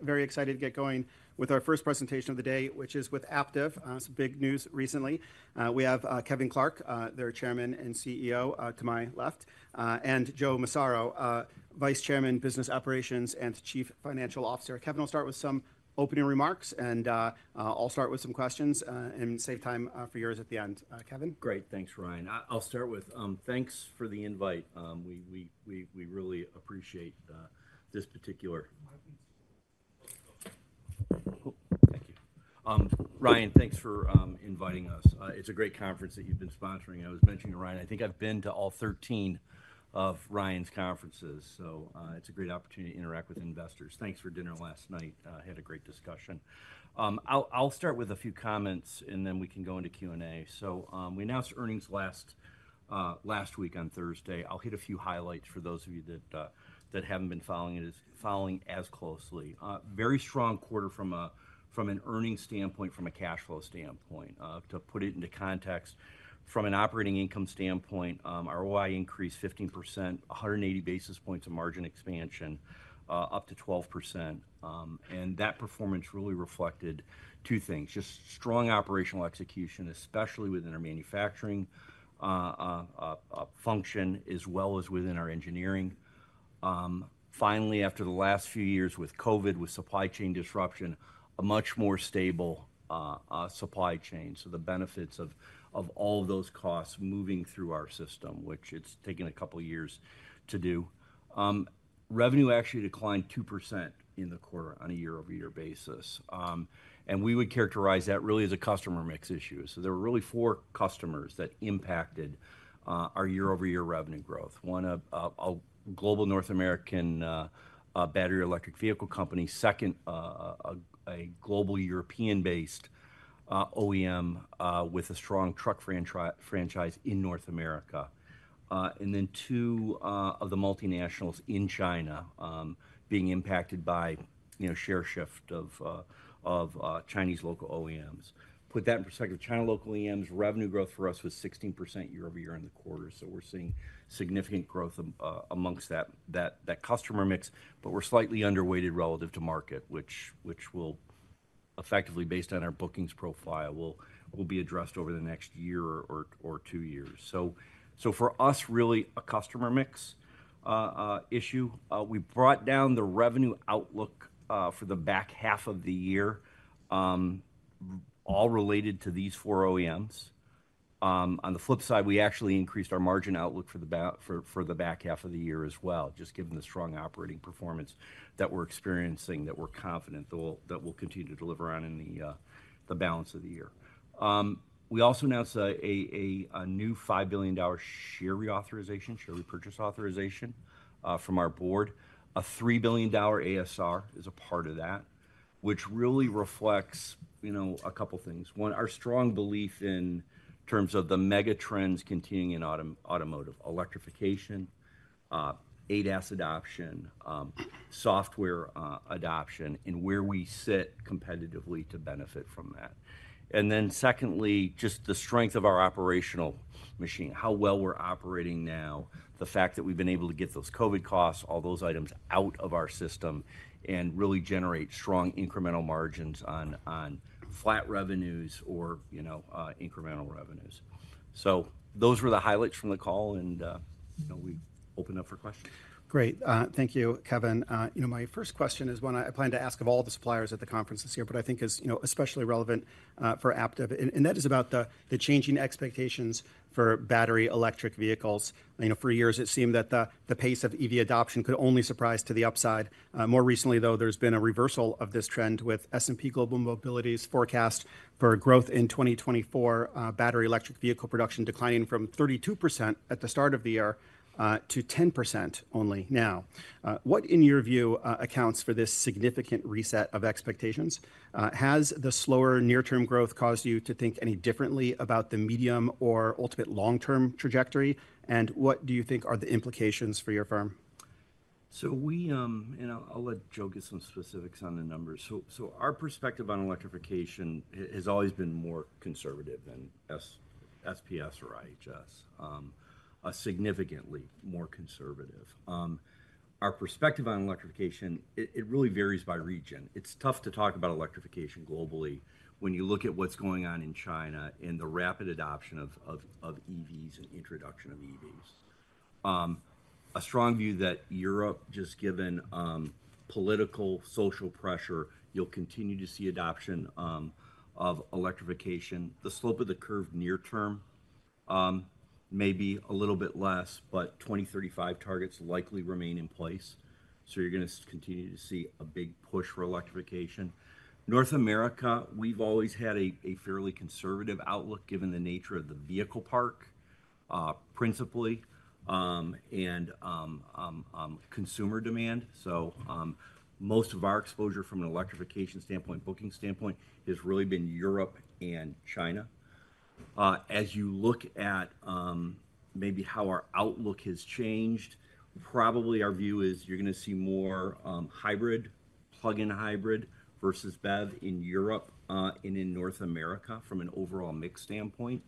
I'm very excited to get going with our first presentation of the day, which is with Aptiv. Some big news recently. We have Kevin Clark, their Chairman and CEO, to my left, and Joe Massaro, Vice Chairman, Business Operations and Chief Financial Officer. Kevin will start with some opening remarks, and I'll start with some questions, and save time for yours at the end. Kevin? Great. Thanks, Ryan. I'll start with thanks for the invite. We really appreciate this particular- Mic, please. Cool. Thank you. Ryan, thanks for inviting us. It's a great conference that you've been sponsoring. I was mentioning to Ryan, I think I've been to all 13 of Ryan's conferences, so it's a great opportunity to interact with investors. Thanks for dinner last night. Had a great discussion. I'll start with a few comments, and then we can go into Q&A. So, we announced earnings last week on Thursday. I'll hit a few highlights for those of you that haven't been following it as closely. Very strong quarter from an earnings standpoint, from a cash flow standpoint. To put it into context, from an operating income standpoint, our OI increased 15%, 180 basis points of margin expansion, up to 12%. That performance really reflected two things: just strong operational execution, especially within our manufacturing function, as well as within our engineering. Finally, after the last few years with COVID, with supply chain disruption, a much more stable supply chain, so the benefits of all those costs moving through our system, which it's taken a couple years to do. Revenue actually declined 2% in the quarter on a year-over-year basis, and we would characterize that really as a customer mix issue. So there were really four customers that impacted our year-over-year revenue growth. One, a global North American battery electric vehicle company. Second, a global European-based OEM with a strong truck franchise in North America. And then two of the multinationals in China being impacted by, you know, share shift of Chinese local OEMs. Put that in perspective, China local OEMs, revenue growth for us was 16% year-over-year in the quarter. So we're seeing significant growth amongst that customer mix, but we're slightly underweighted relative to market, which will effectively, based on our bookings profile, be addressed over the next year or two years. So for us, really a customer mix issue. We brought down the revenue outlook for the back half of the year, all related to these four OEMs. On the flip side, we actually increased our margin outlook for the back half of the year as well, just given the strong operating performance that we're experiencing, that we're confident we'll continue to deliver on in the balance of the year. We also announced a new $5 billion share repurchase authorization from our board. A $3 billion ASR is a part of that, which really reflects, you know, a couple things. One, our strong belief in terms of the mega trends continuing in automotive: electrification, ADAS adoption, software adoption, and where we sit competitively to benefit from that. And then secondly, just the strength of our operational machine, how well we're operating now, the fact that we've been able to get those COVID costs, all those items out of our system and really generate strong incremental margins on flat revenues or, you know, incremental revenues. So those were the highlights from the call, and, you know, we open up for questions. Great. Thank you, Kevin. You know, my first question is one I plan to ask of all the suppliers at the conference this year, but I think is, you know, especially relevant, for Aptiv, and that is about the changing expectations for battery electric vehicles. You know, for years, it seemed that the pace of EV adoption could only surprise to the upside. More recently, though, there's been a reversal of this trend, with S&P Global Mobility's forecast for growth in 2024, battery electric vehicle production declining from 32% at the start of the year, to 10% only now. What, in your view, accounts for this significant reset of expectations? Has the slower near-term growth caused you to think any differently about the medium or ultimate long-term trajectory? What do you think are the implications for your firm? So we and I'll let Joe give some specifics on the numbers. So our perspective on electrification has always been more conservative than S&P's or IHS, significantly more conservative. Our perspective on electrification, it really varies by region. It's tough to talk about electrification globally when you look at what's going on in China and the rapid adoption of EVs and introduction of EVs. A strong view that Europe, just given political, social pressure, you'll continue to see adoption of electrification. The slope of the curve near term may be a little bit less, but 2035 targets likely remain in place, so you're gonna continue to see a big push for electrification. North America, we've always had a fairly conservative outlook, given the nature of the vehicle park, principally, and consumer demand. So, most of our exposure from an electrification standpoint, booking standpoint, has really been Europe and China. As you look at, maybe how our outlook has changed, probably our view is you're going to see more, hybrid, plug-in hybrid versus BEV in Europe, and in North America from an overall mix standpoint.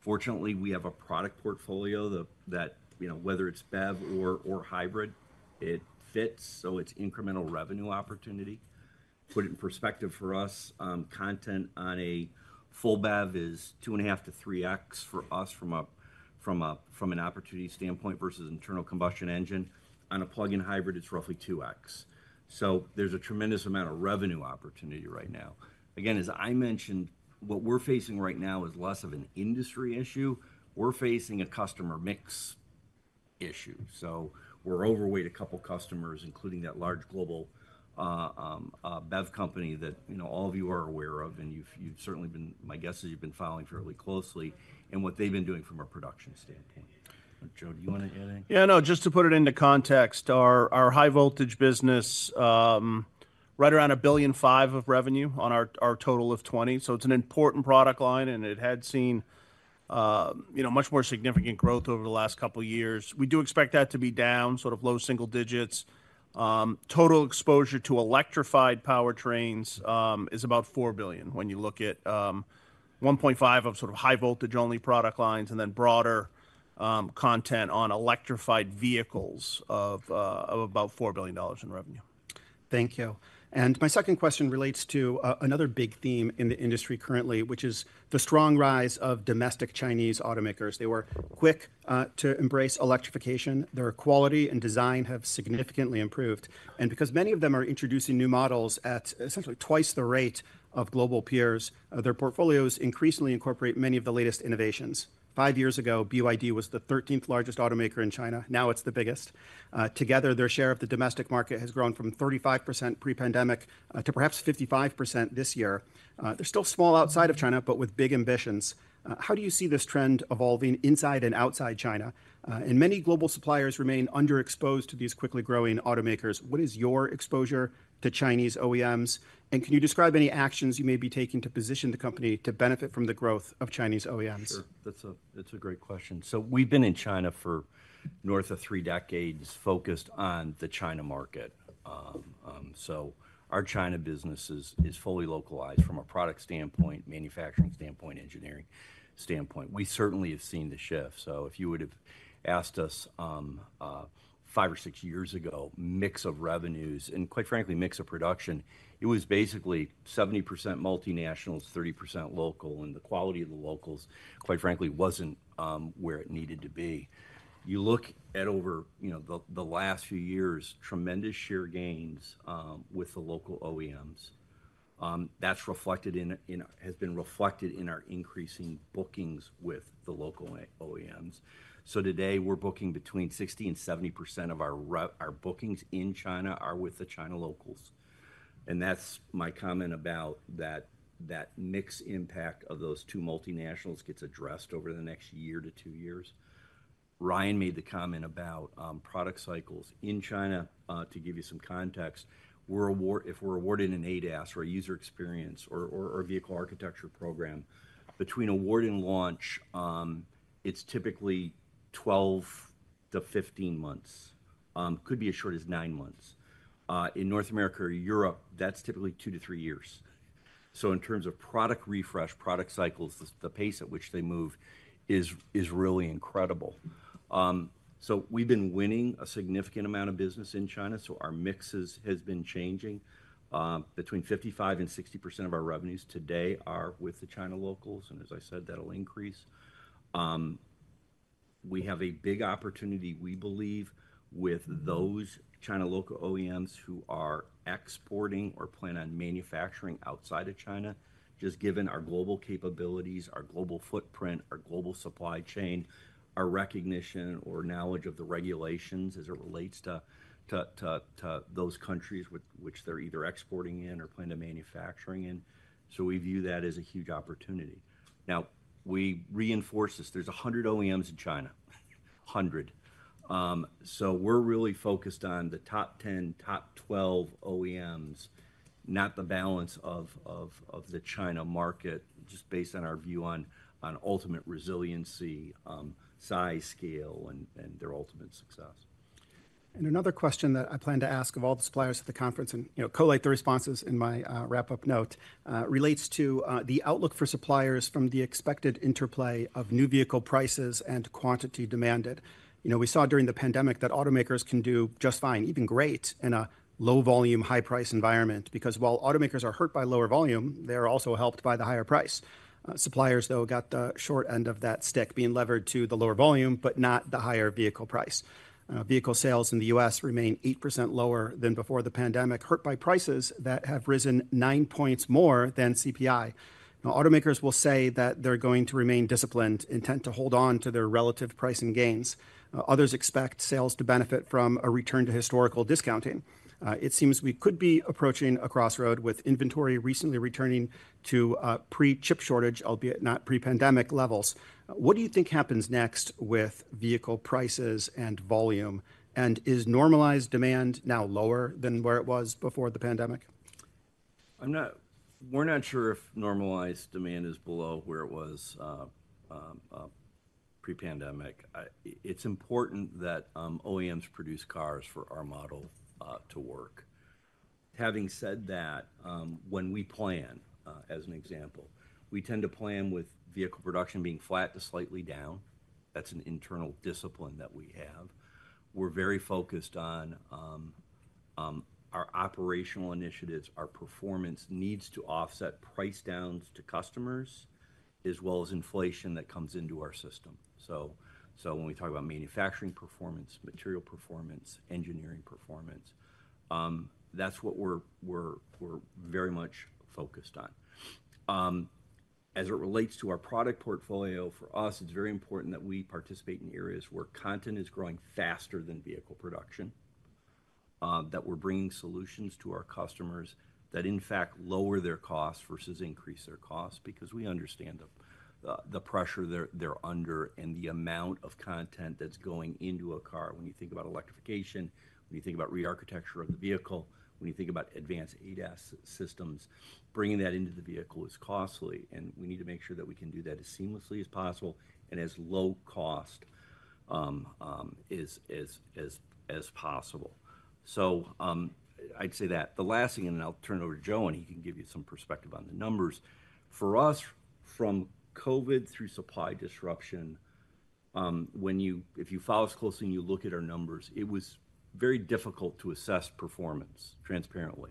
Fortunately, we have a product portfolio that, you know, whether it's BEV or hybrid, it fits, so it's incremental revenue opportunity. Put it in perspective for us, content on a full BEV is 2.5-3x for us from an opportunity standpoint versus internal combustion engine. On a plug-in hybrid, it's roughly 2x. So there's a tremendous amount of revenue opportunity right now. Again, as I mentioned, what we're facing right now is less of an industry issue. We're facing a customer mix issue. So we're overweight a couple customers, including that large global BEV company that, you know, all of you are aware of, and you've certainly been, my guess is you've been following fairly closely, and what they've been doing from a production standpoint. Joe, do you want to add anything? Yeah, no, just to put it into context, our high-voltage business, right around $1.005 billion of revenue on our total of $20 billion. So it's an important product line, and it had seen, you know, much more significant growth over the last couple of years. We do expect that to be down sort of low single digits. Total exposure to electrified powertrains is about $4 billion when you look at 1.5 of sort of high-voltage-only product lines and then broader content on electrified vehicles of about $4 billion in revenue. Thank you. My second question relates to another big theme in the industry currently, which is the strong rise of domestic Chinese automakers. They were quick to embrace electrification. Their quality and design have significantly improved, and because many of them are introducing new models at essentially twice the rate of global peers, their portfolios increasingly incorporate many of the latest innovations. 5 years ago, BYD was the 13th largest automaker in China. Now it's the biggest. Together, their share of the domestic market has grown from 35% pre-pandemic to perhaps 55% this year. They're still small outside of China, but with big ambitions. How do you see this trend evolving inside and outside China? And many global suppliers remain underexposed to these quickly growing automakers. What is your exposure to Chinese OEMs, and can you describe any actions you may be taking to position the company to benefit from the growth of Chinese OEMs? Sure. That's a great question. So we've been in China for north of three decades, focused on the China market. So our China business is fully localized from a product standpoint, manufacturing standpoint, engineering standpoint. We certainly have seen the shift. So if you would have asked us five or six years ago, mix of revenues and, quite frankly, mix of production, it was basically 70% multinationals, 30% local, and the quality of the locals, quite frankly, wasn't where it needed to be. You look at over, you know, the last few years, tremendous share gains with the local OEMs. That's reflected in, has been reflected in our increasing bookings with the local OEMs. So today, we're booking between 60%-70% of our our bookings in China are with the China locals, and that's my comment about that, that mix impact of those two multinationals gets addressed over the next 1-2 years. Ryan made the comment about product cycles in China. To give you some context, we're awarded. If we're awarded an ADAS, or a user experience or a vehicle architecture program, between award and launch, it's typically 12-15 months. It could be as short as 9 months. In North America or Europe, that's typically 2-3 years. So in terms of product refresh, product cycles, the pace at which they move is really incredible. So we've been winning a significant amount of business in China, so our mix has been changing. Between 55% and 60% of our revenues today are with the China locals, and as I said, that'll increase. We have a big opportunity, we believe, with those China local OEMs who are exporting or plan on manufacturing outside of China. Just given our global capabilities, our global footprint, our global supply chain, our recognition or knowledge of the regulations as it relates to those countries which they're either exporting in or plan to manufacturing in. So we view that as a huge opportunity. Now, we reinforce this. There are 100 OEMs in China. 100. So we're really focused on the top 10, top 12 OEMs, not the balance of the China market, just based on our view on ultimate resiliency, size, scale, and their ultimate success. Another question that I plan to ask of all the suppliers at the conference and, you know, collate the responses in my wrap-up note relates to the outlook for suppliers from the expected interplay of new vehicle prices and quantity demanded. You know, we saw during the pandemic that automakers can do just fine, even great, in a low-volume, high-price environment, because while automakers are hurt by lower volume, they are also helped by the higher price. Suppliers, though, got the short end of that stick, being levered to the lower volume, but not the higher vehicle price. Vehicle sales in the U.S. remain 8% lower than before the pandemic, hurt by prices that have risen 9 points more than CPI. Now, automakers will say that they're going to remain disciplined and intend to hold on to their relative pricing gains. Others expect sales to benefit from a return to historical discounting. It seems we could be approaching a crossroad with inventory recently returning to pre-chip shortage, albeit not pre-pandemic levels. What do you think happens next with vehicle prices and volume, and is normalized demand now lower than where it was before the pandemic? We're not sure if normalized demand is below where it was pre-pandemic. It's important that OEMs produce cars for our model to work. Having said that, when we plan, as an example, we tend to plan with vehicle production being flat to slightly down. That's an internal discipline that we have. We're very focused on our operational initiatives. Our performance needs to offset price downs to customers, as well as inflation that comes into our system. So when we talk about manufacturing performance, material performance, engineering performance, that's what we're very much focused on. As it relates to our product portfolio, for us, it's very important that we participate in areas where content is growing faster than vehicle production, that we're bringing solutions to our customers that, in fact, lower their costs versus increase their costs, because we understand the pressure they're under and the amount of content that's going into a car. When you think about electrification, when you think about rearchitecture of the vehicle, when you think about advanced ADAS systems, bringing that into the vehicle is costly, and we need to make sure that we can do that as seamlessly as possible and as low cost as possible. So, I'd say that. The last thing, and then I'll turn it over to Joe, and he can give you some perspective on the numbers. For us, from COVID through supply disruption, if you follow us closely and you look at our numbers, it was very difficult to assess performance transparently.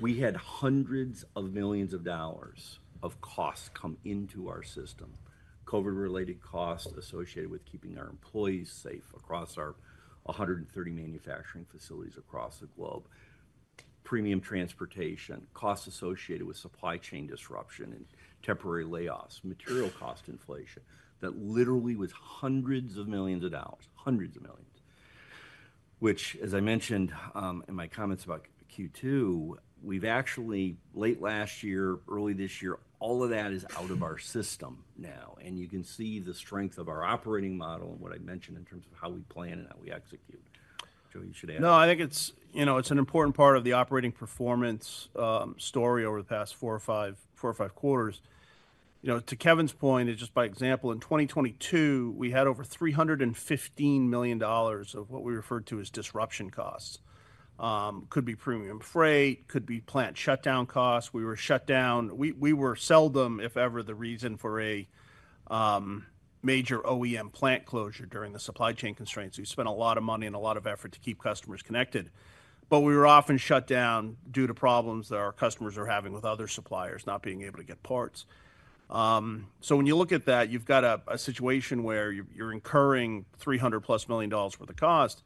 We had $hundreds of millions of costs come into our system, COVID-related costs associated with keeping our employees safe across our 130 manufacturing facilities across the globe, premium transportation, costs associated with supply chain disruption and temporary layoffs, material cost inflation, that literally was $hundreds of millions, $hundreds of millions. Which, as I mentioned, in my comments about Q2, we've actually, late last year, early this year, all of that is out of our system now, and you can see the strength of our operating model and what I mentioned in terms of how we plan and how we execute. Joe, you should add. No, I think it's, you know, it's an important part of the operating performance story over the past four or five, four or five quarters. You know, to Kevin's point, and just by example, in 2022, we had over $315 million of what we referred to as disruption costs. Could be premium freight, could be plant shutdown costs. We were shut down. We, we were seldom, if ever, the reason for a major OEM plant closure during the supply chain constraints. We spent a lot of money and a lot of effort to keep customers connected, but we were often shut down due to problems that our customers were having with other suppliers, not being able to get parts. So when you look at that, you've got a situation where you're incurring $300+ million worth of cost,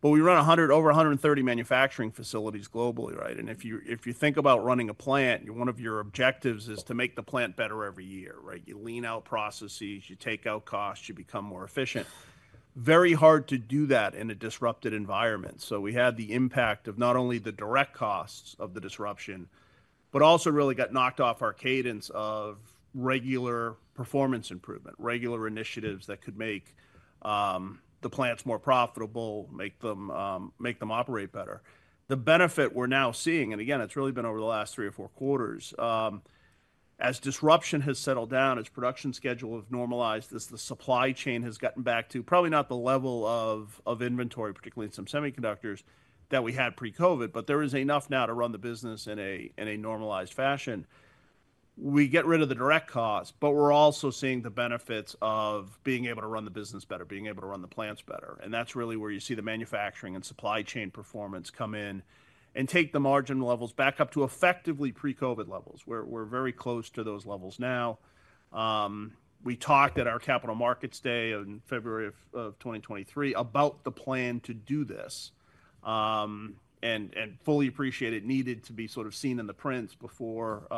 but we run over 130 manufacturing facilities globally, right? And if you think about running a plant, one of your objectives is to make the plant better every year, right? You lean out processes, you take out costs, you become more efficient. Very hard to do that in a disrupted environment. So we had the impact of not only the direct costs of the disruption, but also really got knocked off our cadence of regular performance improvement, regular initiatives that could make the plants more profitable, make them operate better. The benefit we're now seeing, and again, it's really been over the last three or four quarters, as disruption has settled down, as production schedule have normalized, as the supply chain has gotten back to probably not the level of inventory, particularly in some semiconductors, that we had pre-COVID, but there is enough now to run the business in a normalized fashion. We get rid of the direct cause, but we're also seeing the benefits of being able to run the business better, being able to run the plants better, and that's really where you see the manufacturing and supply chain performance come in and take the margin levels back up to effectively pre-COVID levels. We're very close to those levels now. We talked at our Capital Markets Day in February of 2023 about the plan to do this, and fully appreciate it needed to be sort of seen in the prints before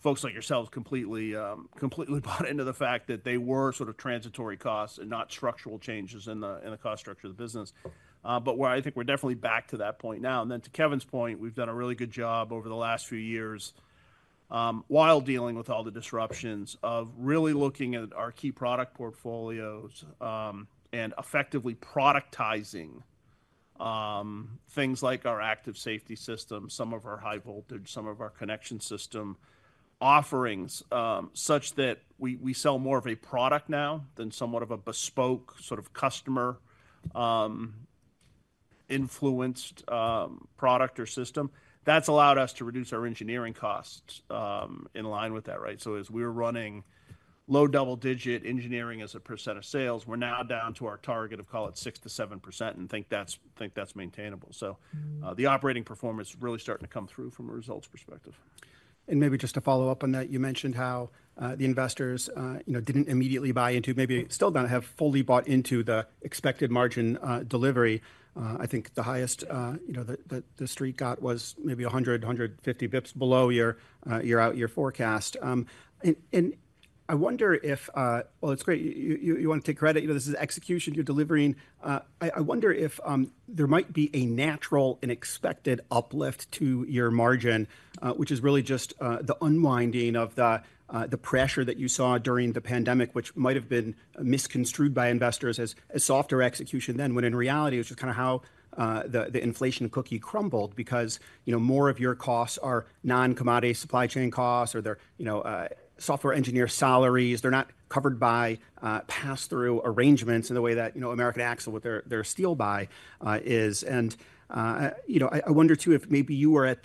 folks like yourselves completely bought into the fact that they were sort of transitory costs and not structural changes in the cost structure of the business. But where I think we're definitely back to that point now. And then to Kevin's point, we've done a really good job over the last few years, while dealing with all the disruptions, of really looking at our key product portfolios, and effectively productizing, things like our Active Safety system, some of our High Voltage, some of our connection system offerings, such that we sell more of a product now than somewhat of a bespoke sort of customer, influenced, product or system. That's allowed us to reduce our engineering costs, in line with that, right? So, the operating performance is really starting to come through from a results perspective. Maybe just to follow up on that, you mentioned how the investors you know didn't immediately buy into, maybe still don't have fully bought into the expected margin delivery. I think the highest you know the street got was maybe 150 basis points below your out-year forecast. And I wonder if well it's great. You wanna take credit you know this is execution you're delivering. I wonder if there might be a natural and expected uplift to your margin, which is really just the unwinding of the pressure that you saw during the pandemic, which might have been misconstrued by investors as a softer execution then, when in reality, it's just kinda how the inflation cookie crumbled because, you know, more of your costs are non-commodity supply chain costs, or they're, you know, software engineer salaries. They're not covered by pass-through arrangements in the way that, you know, American Axle with their steel buy is. And, you know, I wonder, too, if maybe you were at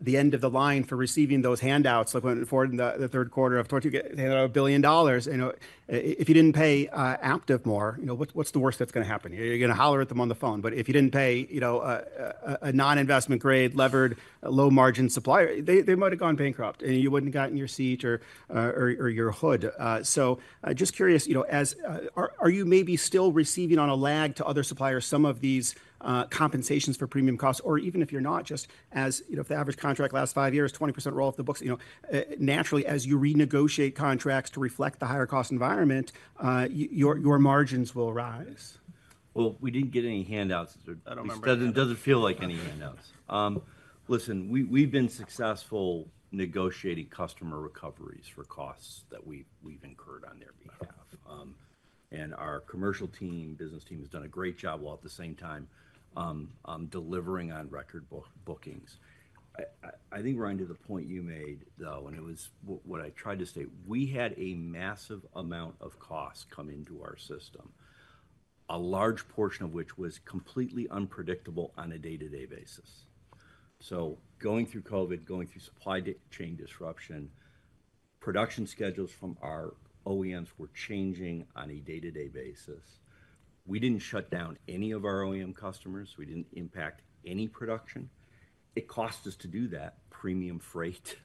the end of the line for receiving those handouts, like when in the third quarter of 2020 $1 billion. You know, if you didn't pay Aptiv more, you know, what's the worst that's gonna happen here? You're gonna holler at them on the phone, but if you didn't pay, you know, a non-investment grade, levered, low-margin supplier, they might have gone bankrupt, and you wouldn't have gotten your seat or your hood. So, just curious, you know. Are you maybe still receiving on a lag to other suppliers, some of these compensations for premium costs, or even if you're not just as, you know, if the average contract lasts five years, 20% roll off the books, you know, naturally, as you renegotiate contracts to reflect the higher cost environment, your margins will rise? Well, we didn't get any handouts. I don't remember- It doesn't feel like any handouts. Listen, we've been successful negotiating customer recoveries for costs that we've incurred on their behalf. And our commercial team, business team, has done a great job, while at the same time, delivering on record bookings. I think, Ryan, to the point you made, though, and it was what I tried to state, we had a massive amount of costs come into our system, a large portion of which was completely unpredictable on a day-to-day basis. So going through COVID, going through supply chain disruption, production schedules from our OEMs were changing on a day-to-day basis. We didn't shut down any of our OEM customers. We didn't impact any production. It cost us to do that, premium freight,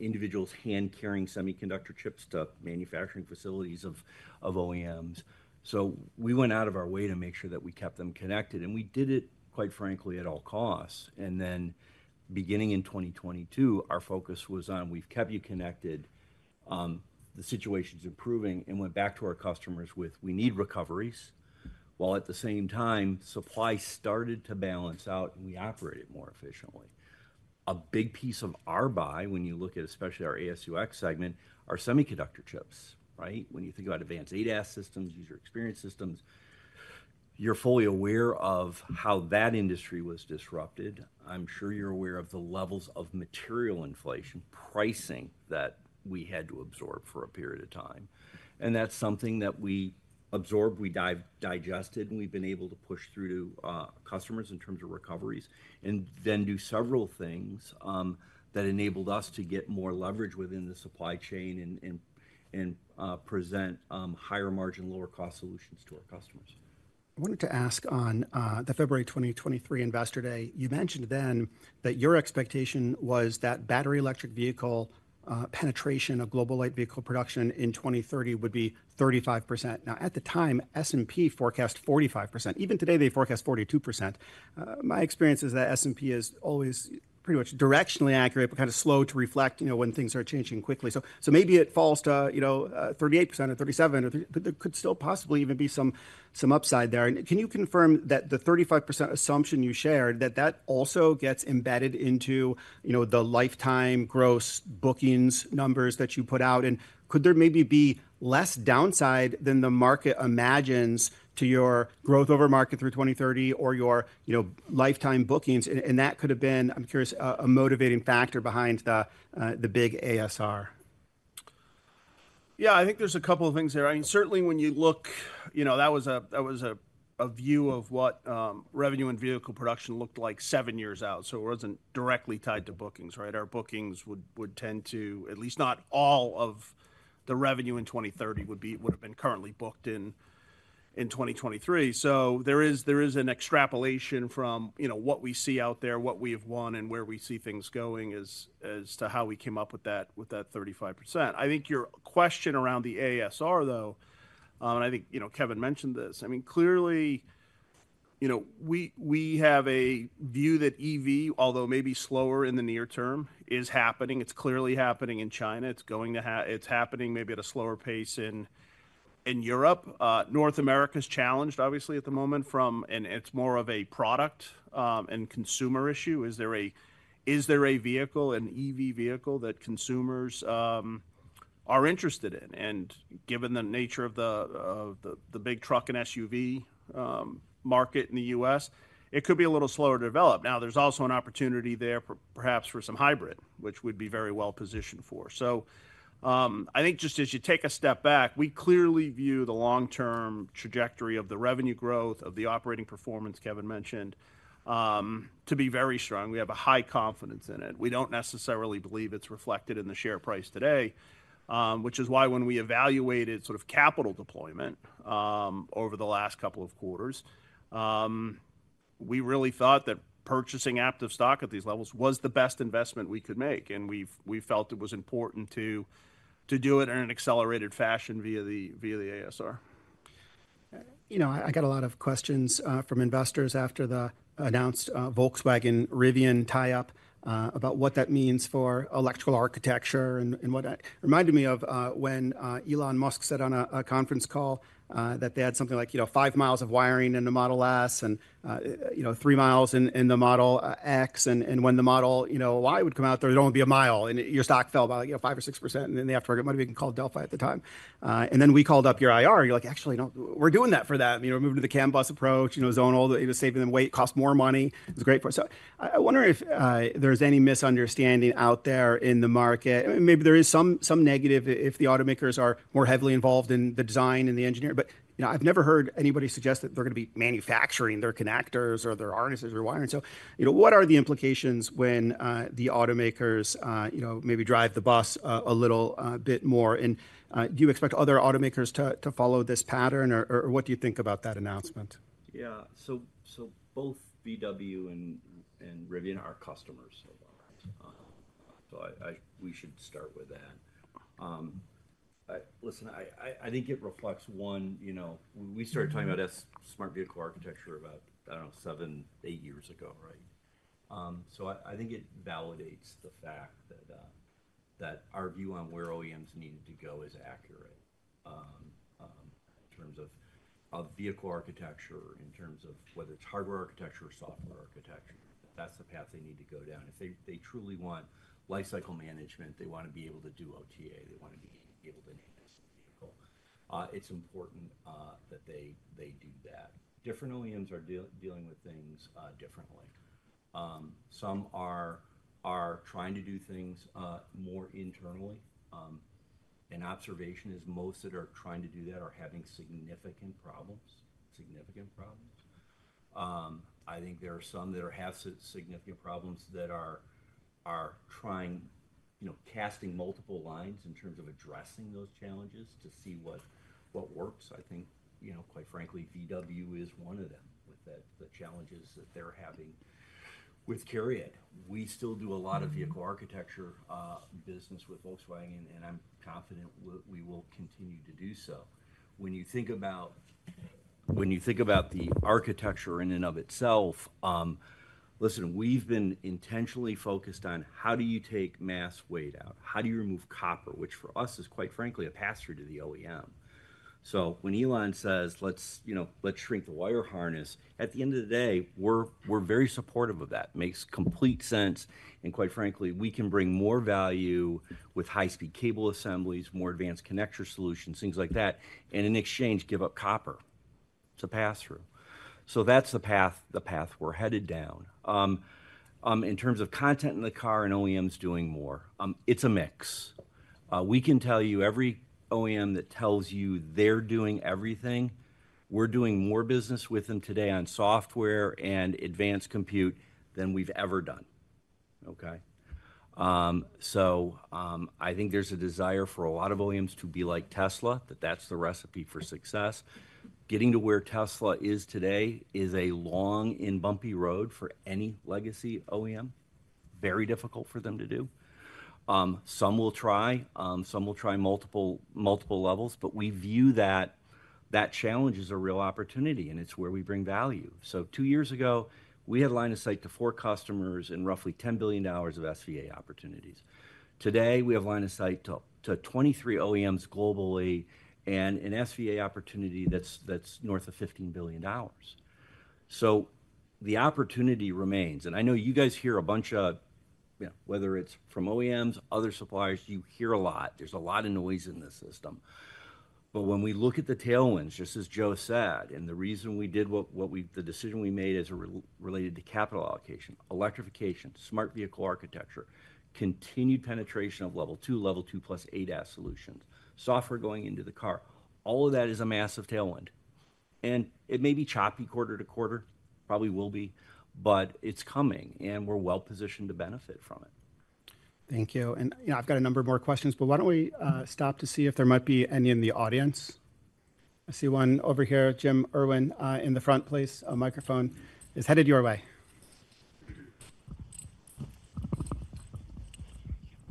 individuals hand-carrying semiconductor chips to manufacturing facilities of OEMs. So we went out of our way to make sure that we kept them connected, and we did it, quite frankly, at all costs. Then, beginning in 2022, our focus was on we've kept you connected, the situation's improving, and went back to our customers with, "We need recoveries," while at the same time, supply started to balance out, and we operated more efficiently. A big piece of our buy, when you look at especially our AS&UX segment, are semiconductor chips, right? When you think about advanced ADAS systems, user experience systems, you're fully aware of how that industry was disrupted. I'm sure you're aware of the levels of material inflation pricing that we had to absorb for a period of time. And that's something that we absorbed, we digested, and we've been able to push through to, customers in terms of recoveries. Then do several things that enabled us to get more leverage within the supply chain and present higher margin, lower-cost solutions to our customers. I wanted to ask on the February 2023 Investor Day, you mentioned then that your expectation was that battery electric vehicle penetration of global light vehicle production in 2030 would be 35%. Now, at the time, S&P forecast 45%. Even today, they forecast 42%. My experience is that S&P is always pretty much directionally accurate, but kind of slow to reflect, you know, when things are changing quickly. So maybe it falls to, you know, 38% or 37%, but there could still possibly even be some upside there. And can you confirm that the 35% assumption you shared, that that also gets embedded into, you know, the lifetime gross bookings numbers that you put out? Could there maybe be less downside than the market imagines to your growth over market through 2030 or your, you know, lifetime bookings, and that could have been, I'm curious, a motivating factor behind the big ASR? Yeah, I think there's a couple of things there. I mean, certainly when you look, you know, that was a view of what revenue and vehicle production looked like 7 years out, so it wasn't directly tied to bookings, right? Our bookings would tend to, at least not all of the revenue in 2030 would have been currently booked in 2023. So there is an extrapolation from, you know, what we see out there, what we have won, and where we see things going as to how we came up with that 35%. I think your question around the ASR, though, and I think, you know, Kevin mentioned this. I mean, clearly, you know, we have a view that EV, although maybe slower in the near term, is happening. It's clearly happening in China. It's happening maybe at a slower pace in Europe. North America's challenged, obviously, at the moment, from... And it's more of a product and consumer issue. Is there a vehicle, an EV vehicle that consumers are interested in? And given the nature of the big truck and SUV market in the US, it could be a little slower to develop. Now, there's also an opportunity there for perhaps some hybrid, which we'd be very well positioned for. So, I think just as you take a step back, we clearly view the long-term trajectory of the revenue growth, of the operating performance Kevin mentioned, to be very strong. We have a high confidence in it. We don't necessarily believe it's reflected in the share price today, which is why when we evaluated sort of capital deployment over the last couple of quarters, we really thought that purchasing Aptiv stock at these levels was the best investment we could make, and we felt it was important to do it in an accelerated fashion via the ASR.... You know, I get a lot of questions from investors after the announced Volkswagen-Rivian tie-up about what that means for electrical architecture and what that-- It reminded me of when Elon Musk said on a conference call that they had something like, you know, 5 miles of wiring in a Model S and, you know, 3 miles in the Model X, and when the Model Y would come out, there'd only be 1 mile, and your stock fell by, you know, 5% or 6%. And in the aftermarket, it might have been called Delphi at the time. And then we called up your IR, and you're like: "Actually, no, we're doing that for them. You know, we're moving to the CAN bus approach, you know, zonal. It was saving them weight, cost more money. It was a great point. So I wonder if there's any misunderstanding out there in the market. Maybe there is some negative if the automakers are more heavily involved in the design and the engineering. But, you know, I've never heard anybody suggest that they're gonna be manufacturing their connectors or their harnesses or wiring. So, you know, what are the implications when the automakers, you know, maybe drive the bus a little bit more? And do you expect other automakers to follow this pattern, or what do you think about that announcement? Yeah. So both VW and Rivian are customers of ours. So we should start with that. Listen, I think it reflects one, you know, we started talking about Smart Vehicle Architecture about, I don't know, 7, 8 years ago, right? So I think it validates the fact that our view on where OEMs needed to go is accurate, in terms of vehicle architecture, in terms of whether it's hardware architecture or software architecture. That's the path they need to go down. If they truly want lifecycle management, they wanna be able to do OTA, they wanna be able to manage the vehicle, it's important that they do that. Different OEMs are dealing with things differently. Some are trying to do things more internally. An observation is most that are trying to do that are having significant problems, significant problems. I think there are some that have significant problems that are, are trying, you know, casting multiple lines in terms of addressing those challenges to see what, what works. I think, you know, quite frankly, VW is one of them with the, the challenges that they're having with CARIAD. We still do a lot of- Mm-hmm... vehicle architecture, business with Volkswagen, and I'm confident we will continue to do so. When you think about, when you think about the architecture in and of itself, listen, we've been intentionally focused on: How do you take mass weight out? How do you remove copper? Which, for us, is, quite frankly, a pass-through to the OEM. So when Elon says, "Let's," you know, "let's shrink the wire harness," at the end of the day, we're very supportive of that. Makes complete sense, and quite frankly, we can bring more value with high-speed cable assemblies, more advanced connector solutions, things like that, and in exchange, give up copper. It's a pass-through. So that's the path, the path we're headed down. In terms of content in the car and OEMs doing more, it's a mix. We can tell you, every OEM that tells you they're doing everything, we're doing more business with them today on software and advanced compute than we've ever done. Okay? So, I think there's a desire for a lot of OEMs to be like Tesla, that that's the recipe for success. Getting to where Tesla is today is a long and bumpy road for any legacy OEM. Very difficult for them to do. Some will try, some will try multiple levels, but we view that challenge as a real opportunity, and it's where we bring value. So two years ago, we had line of sight to 4 customers and roughly $10 billion of SVA opportunities. Today, we have line of sight to 23 OEMs globally and an SVA opportunity that's north of $15 billion. So the opportunity remains, and I know you guys hear a bunch of, you know, whether it's from OEMs, other suppliers, you hear a lot. There's a lot of noise in the system. But when we look at the tailwinds, just as Joe said, and the reason we did what we - the decision we made as it related to capital allocation, electrification, Smart Vehicle Architecture, continued penetration of Level 2, Level 2+ ADAS solutions, software going into the car, all of that is a massive tailwind. And it may be choppy quarter to quarter, probably will be, but it's coming, and we're well positioned to benefit from it. Thank you. You know, I've got a number of more questions, but why don't we stop to see if there might be any in the audience? I see one over here. Jim Irwin in the front, please. A microphone is headed your way.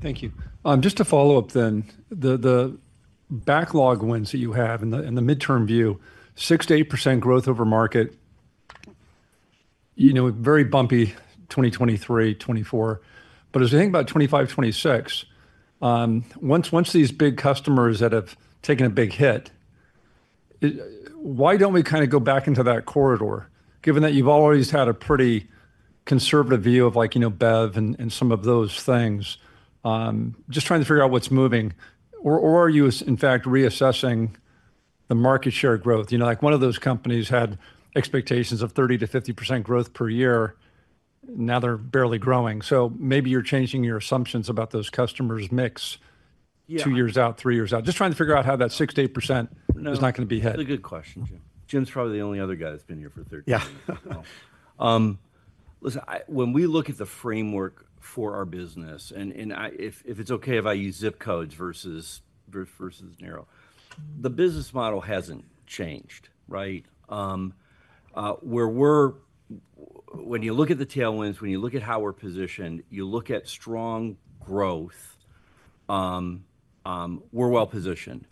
Thank you. Just to follow up then, the backlog wins that you have in the midterm view, 6%-8% growth over market, you know, a very bumpy 2023, 2024. But as you think about 2025, 2026, once these big customers that have taken a big hit, why don't we kinda go back into that corridor, given that you've always had a pretty conservative view of, like, you know, BEV and some of those things? Just trying to figure out what's moving. Or are you, in fact, reassessing the market share growth? You know, like, one of those companies had expectations of 30%-50% growth per year. Now they're barely growing. So maybe you're changing your assumptions about those customers' mix- Yeah... two years out, three years out. Just trying to figure out how that 6%-8%- No... is not gonna be hit. It's a good question, Jim. Jim's probably the only other guy that's been here for 13 years. Yeah. Listen, when we look at the framework for our business, if it's okay if I use zip codes versus narrow, the business model hasn't changed, right? When you look at the tailwinds, when you look at how we're positioned, you look at strong growth, we're well positioned.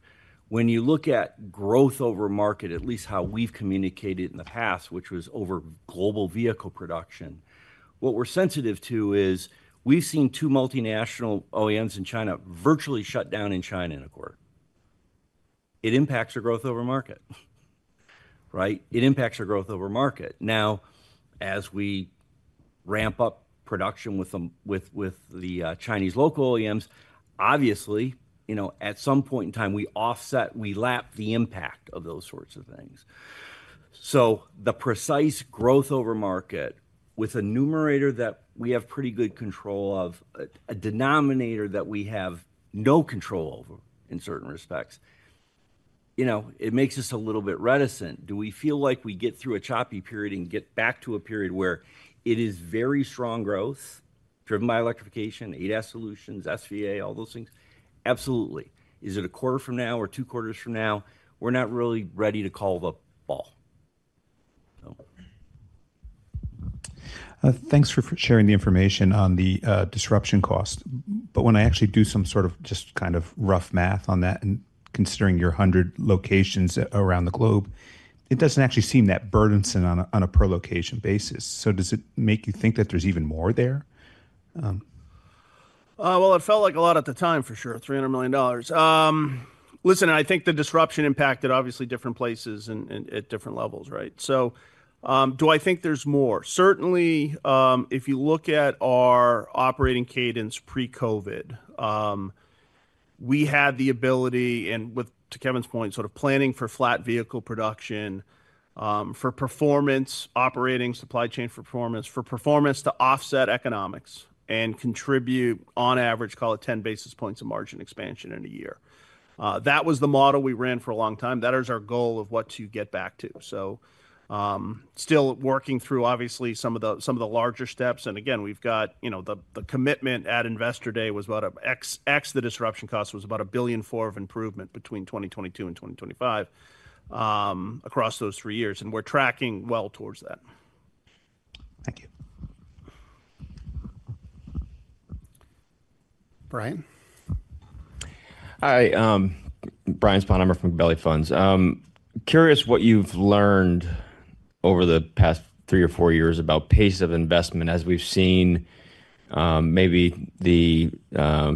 When you look at growth over market, at least how we've communicated in the past, which was over global vehicle production, what we're sensitive to is we've seen two multinational OEMs in China virtually shut down in China in a quarter. It impacts our growth over market, right? It impacts our growth over market. Now, as we ramp up production with the Chinese local OEMs, obviously, you know, at some point in time, we offset, we lap the impact of those sorts of things. So the precise growth over market with a numerator that we have pretty good control of, a denominator that we have no control over in certain respects, you know, it makes us a little bit reticent. Do we feel like we get through a choppy period and get back to a period where it is very strong growth driven by electrification, ADAS solutions, SVA, all those things? Absolutely. Is it a quarter from now or two quarters from now? We're not really ready to call the ball. So... Thanks for sharing the information on the disruption cost. But when I actually do some sort of just kind of rough math on that and considering your 100 locations around the globe, it doesn't actually seem that burdensome on a per location basis. So does it make you think that there's even more there? Well, it felt like a lot at the time, for sure, $300 million. Listen, I think the disruption impacted obviously different places and at different levels, right? So, do I think there's more? Certainly, if you look at our operating cadence pre-COVID, we had the ability, and with to Kevin's point, sort of planning for flat vehicle production, for performance, operating supply chain for performance, for performance to offset economics and contribute on average, call it ten basis points of margin expansion in a year. That was the model we ran for a long time. That is our goal of what to get back to. Still working through obviously some of the, some of the larger steps, and again, we've got, you know, the commitment at Investor Day was about $1.4 billion, the disruption cost was about $1.4 billion of improvement between 2022 and 2025, across those three years, and we're tracking well towards that. Thank you. Brian? Hi, Brian Sponheimer from Gabelli Funds. Curious what you've learned over the past three or four years about pace of investment, as we've seen, maybe the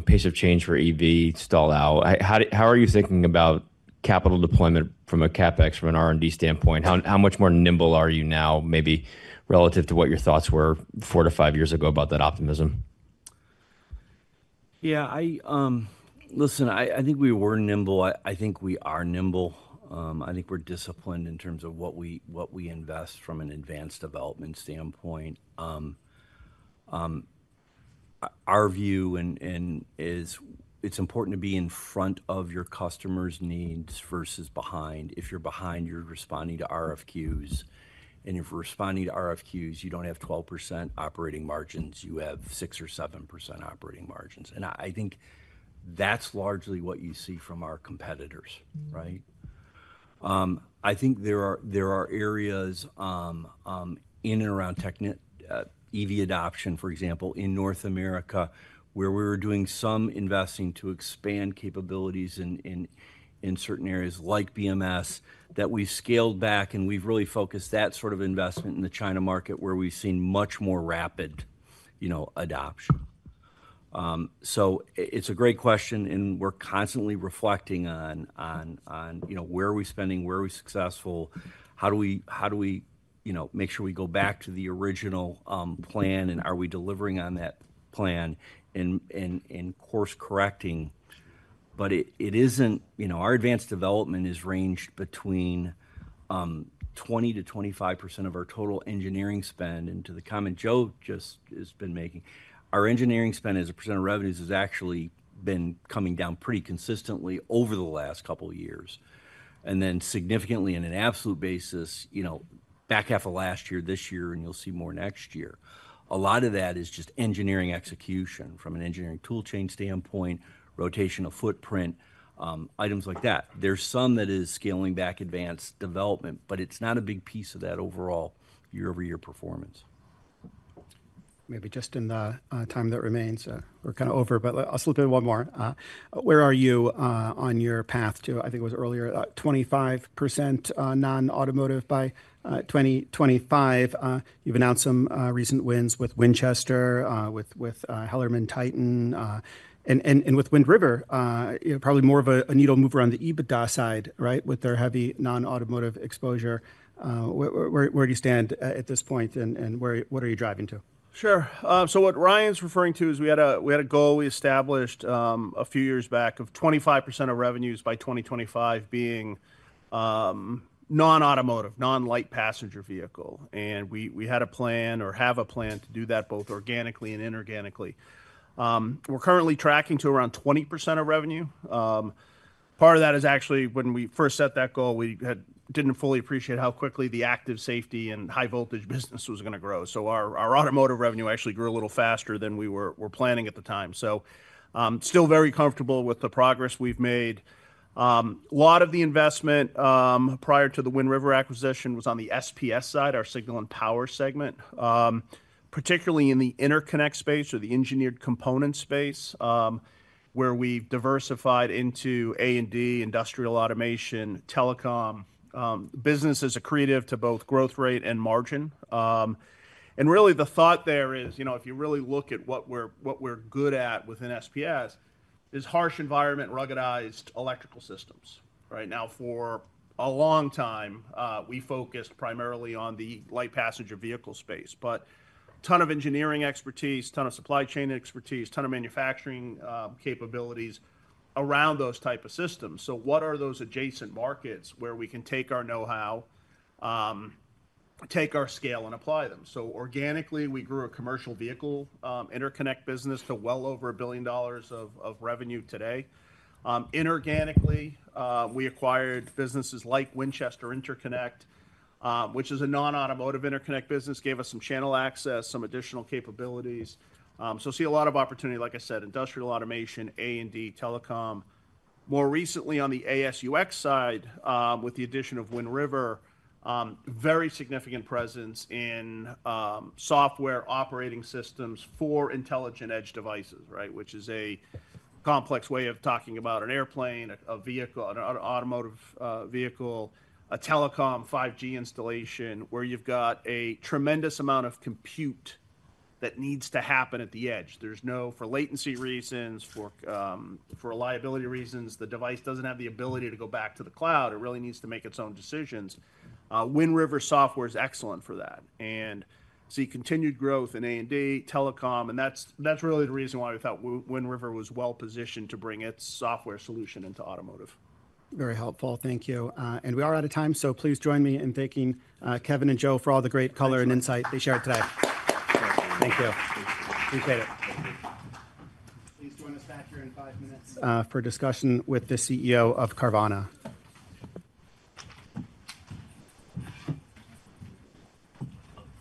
pace of change for EV stall out. How are you thinking about capital deployment from a CapEx, from an R&D standpoint? How much more nimble are you now, maybe relative to what your thoughts were four to five years ago about that optimism? Yeah, listen, I think we were nimble. I think we are nimble. I think we're disciplined in terms of what we invest from an advanced development standpoint. Our view is it's important to be in front of your customers' needs versus behind. If you're behind, you're responding to RFQs, and if you're responding to RFQs, you don't have 12% operating margins, you have 6% or 7% operating margins. I think that's largely what you see from our competitors, right? I think there are areas in and around EV adoption, for example, in North America, where we were doing some investing to expand capabilities in certain areas like BMS, that we've scaled back and we've really focused that sort of investment in the China market, where we've seen much more rapid, you know, adoption. So it's a great question, and we're constantly reflecting on, you know, where are we spending, where are we successful, how do we, you know, make sure we go back to the original plan, and are we delivering on that plan and course correcting? But it isn't, you know, our advanced development is ranged between 20%-25% of our total engineering spend. To the comment Joe just has been making, our engineering spend as a % of revenues has actually been coming down pretty consistently over the last couple of years, and then significantly in an absolute basis, you know, back half of last year, this year, and you'll see more next year. A lot of that is just engineering execution from an engineering tool chain standpoint, rotational footprint, items like that. There's some that is scaling back advanced development, but it's not a big piece of that overall year-over-year performance. Maybe just in the time that remains, we're kinda over, but I'll slip in one more. Where are you on your path to, I think it was earlier, 25% non-automotive by 2025? You've announced some recent wins with Winchester, with HellermannTyton, and with Wind River, you know, probably more of a needle mover on the EBITDA side, right? With their heavy non-automotive exposure. Where do you stand at this point, and what are you driving to? Sure. So what Ryan's referring to is we had a goal we established a few years back of 25% of revenues by 2025 being non-automotive, non-light passenger vehicle, and we had a plan or have a plan to do that both organically and inorganically. We're currently tracking to around 20% of revenue. Part of that is actually when we first set that goal, we didn't fully appreciate how quickly the active safety and high voltage business was gonna grow. So our automotive revenue actually grew a little faster than we were planning at the time. So still very comfortable with the progress we've made. A lot of the investment, prior to the Wind River acquisition, was on the S&PS side, our signal and power segment, particularly in the interconnect space or the engineered component space, where we've diversified into A&D, industrial automation, telecom, business as accretive to both growth rate and margin. And really the thought there is, you know, if you really look at what we're good at within S&PS, is harsh environment, ruggedized electrical systems. Right now, for a long time, we focused primarily on the light passenger vehicle space, but ton of engineering expertise, ton of supply chain expertise, ton of manufacturing capabilities around those type of systems. So what are those adjacent markets where we can take our know-how, take our scale and apply them? So organically, we grew a commercial vehicle interconnect business to well over $1 billion of revenue today. Inorganically, we acquired businesses like Winchester Interconnect, which is a non-automotive interconnect business [that] gave us some channel access, some additional capabilities. So see a lot of opportunity, like I said, industrial automation, A&D, telecom. More recently on the AS&UX side, with the addition of Wind River, very significant presence in software operating systems for intelligent edge devices, right? Which is a complex way of talking about an airplane, a vehicle, an automotive vehicle, a telecom 5G installation, where you've got a tremendous amount of compute that needs to happen at the edge. There's no... For latency reasons, for liability reasons, the device doesn't have the ability to go back to the cloud. It really needs to make its own decisions. Wind River Software is excellent for that, and see continued growth in A&D, telecom, and that's, that's really the reason why we thought Wind River was well positioned to bring its software solution into automotive. Very helpful. Thank you. And we are out of time, so please join me in thanking Kevin and Joe for all the great color and insight they shared today. Thanks. Thank you. Appreciate it. Thank you. Please join us back here in 5 minutes for a discussion with the CEO of Carvana.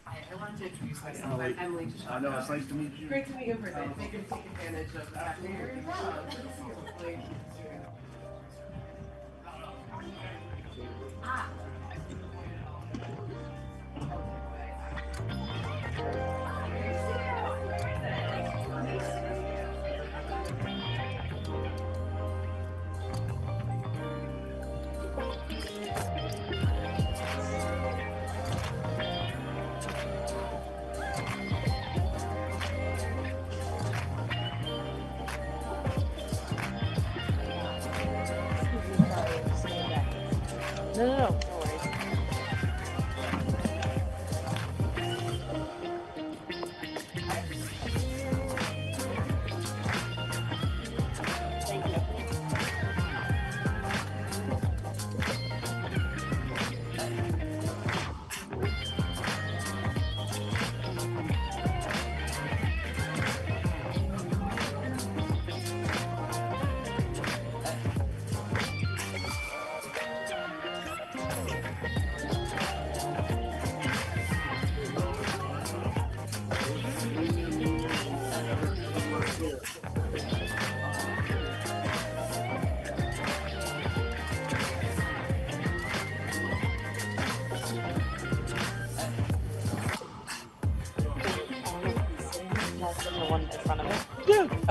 Hi, I wanted to introduce myself. I'm Emily—I know. It's nice to meet you. Great to meet you in person. Make him take advantage of the afternoon. No, no, no. Don't worry. The one in front of it? Yeah.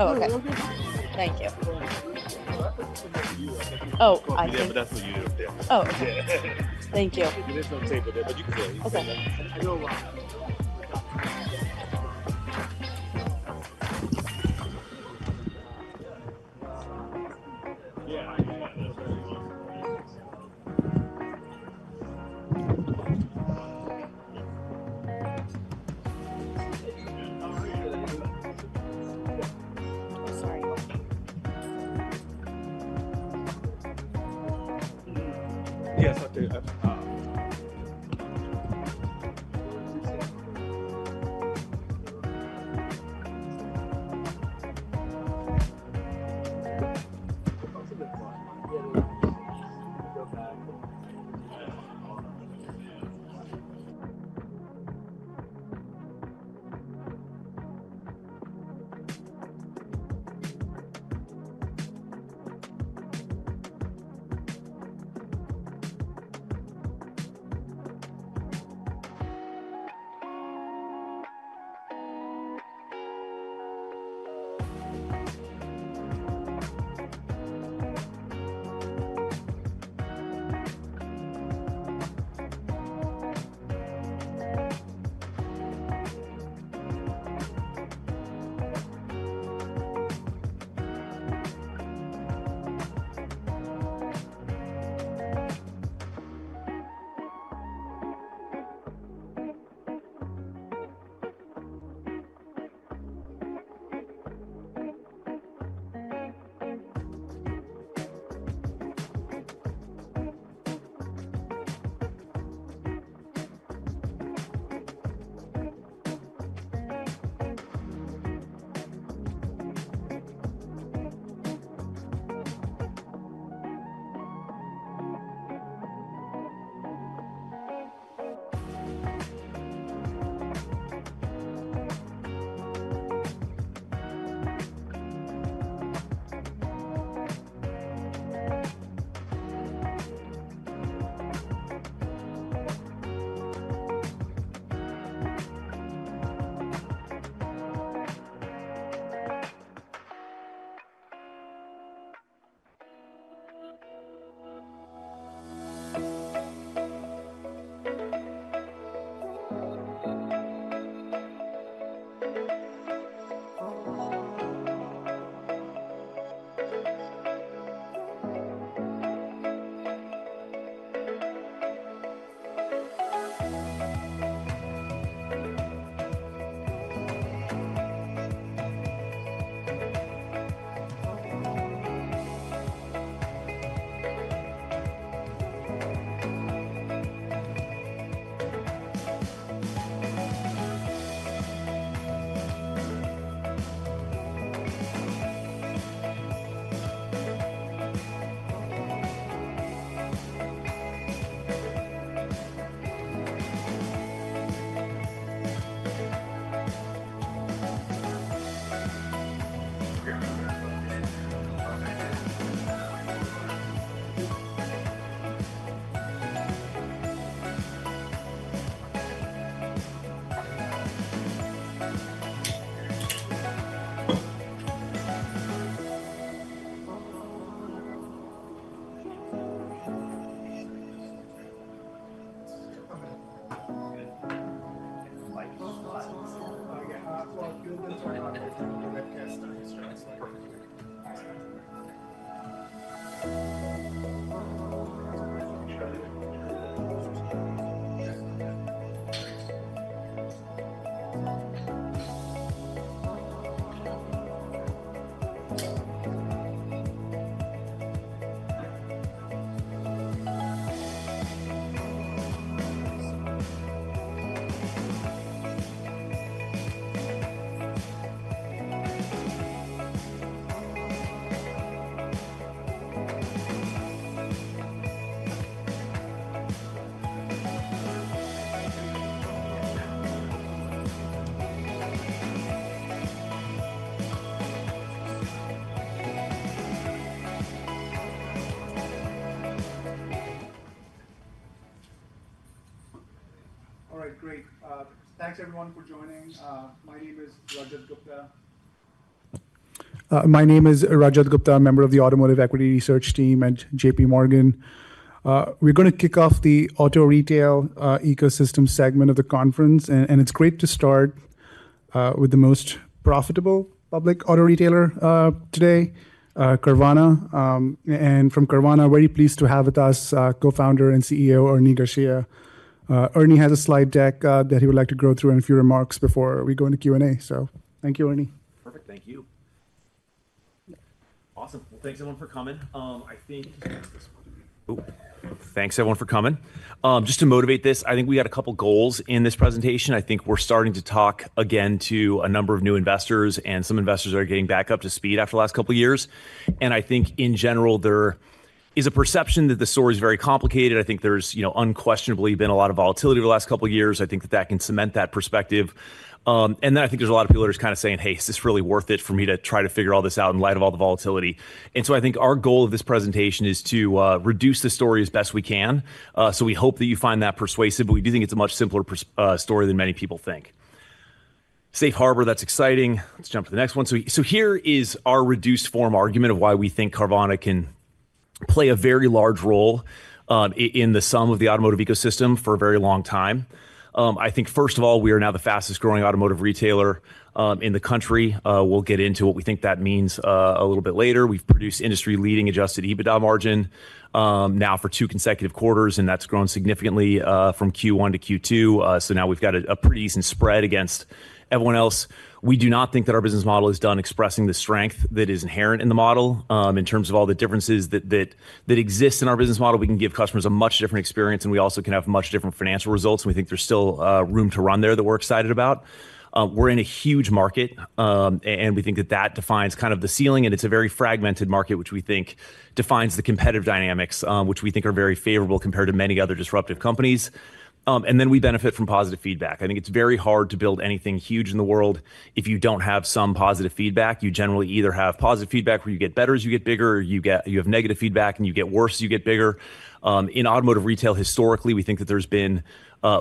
Oh, okay. Thank you. Oh, I see. Yeah, but that's what you do there. Oh. Yeah. Thank you. There's no table there, but you can sit there. Okay. Sorry. Yes, I do. That's a good one. Yeah. All right, great. Thanks everyone for joining. My name is Rajat Gupta, a member of the Automotive Equity Research Team at J.P. Morgan. We're gonna kick off the auto retail ecosystem segment of the conference, and it's great to start with the most profitable public auto retailer today, Carvana. And from Carvana, we're very pleased to have with us Co-founder and CEO Ernie Garcia. Ernie has a slide deck that he would like to go through and a few remarks before we go into Q&A. So thank you, Ernie. Perfect. Thank you. Awesome! Well, thanks, everyone, for coming. I think it's this one. Oh, thanks, everyone, for coming. Just to motivate this, I think we had a couple goals in this presentation. I think we're starting to talk again to a number of new investors, and some investors are getting back up to speed after the last couple of years. I think in general, there is a perception that the story is very complicated. I think there's, you know, unquestionably been a lot of volatility over the last couple of years. I think that that can cement that perspective. And then I think there's a lot of people just kind of saying, "Hey, is this really worth it for me to try to figure all this out in light of all the volatility?" And so I think our goal of this presentation is to reduce the story as best we can, so we hope that you find that persuasive, but we do think it's a much simpler story than many people think. Safe harbor, that's exciting. Let's jump to the next one. So here is our reduced form argument of why we think Carvana can play a very large role in the sum of the automotive ecosystem for a very long time. I think, first of all, we are now the fastest growing automotive retailer in the country. We'll get into what we think that means a little bit later. We've produced industry-leading adjusted EBITDA margin now for two consecutive quarters, and that's grown significantly from Q1 to Q2. So now we've got a pretty decent spread against everyone else. We do not think that our business model is done expressing the strength that is inherent in the model. In terms of all the differences that exist in our business model, we can give customers a much different experience, and we also can have much different financial results, and we think there's still room to run there that we're excited about. We're in a huge market, and we think that that defines kind of the ceiling, and it's a very fragmented market, which we think defines the competitive dynamics, which we think are very favorable compared to many other disruptive companies. And then we benefit from positive feedback. I think it's very hard to build anything huge in the world if you don't have some positive feedback. You generally either have positive feedback, where you get better as you get bigger, or you have negative feedback, and you get worse as you get bigger. In automotive retail, historically, we think that there's been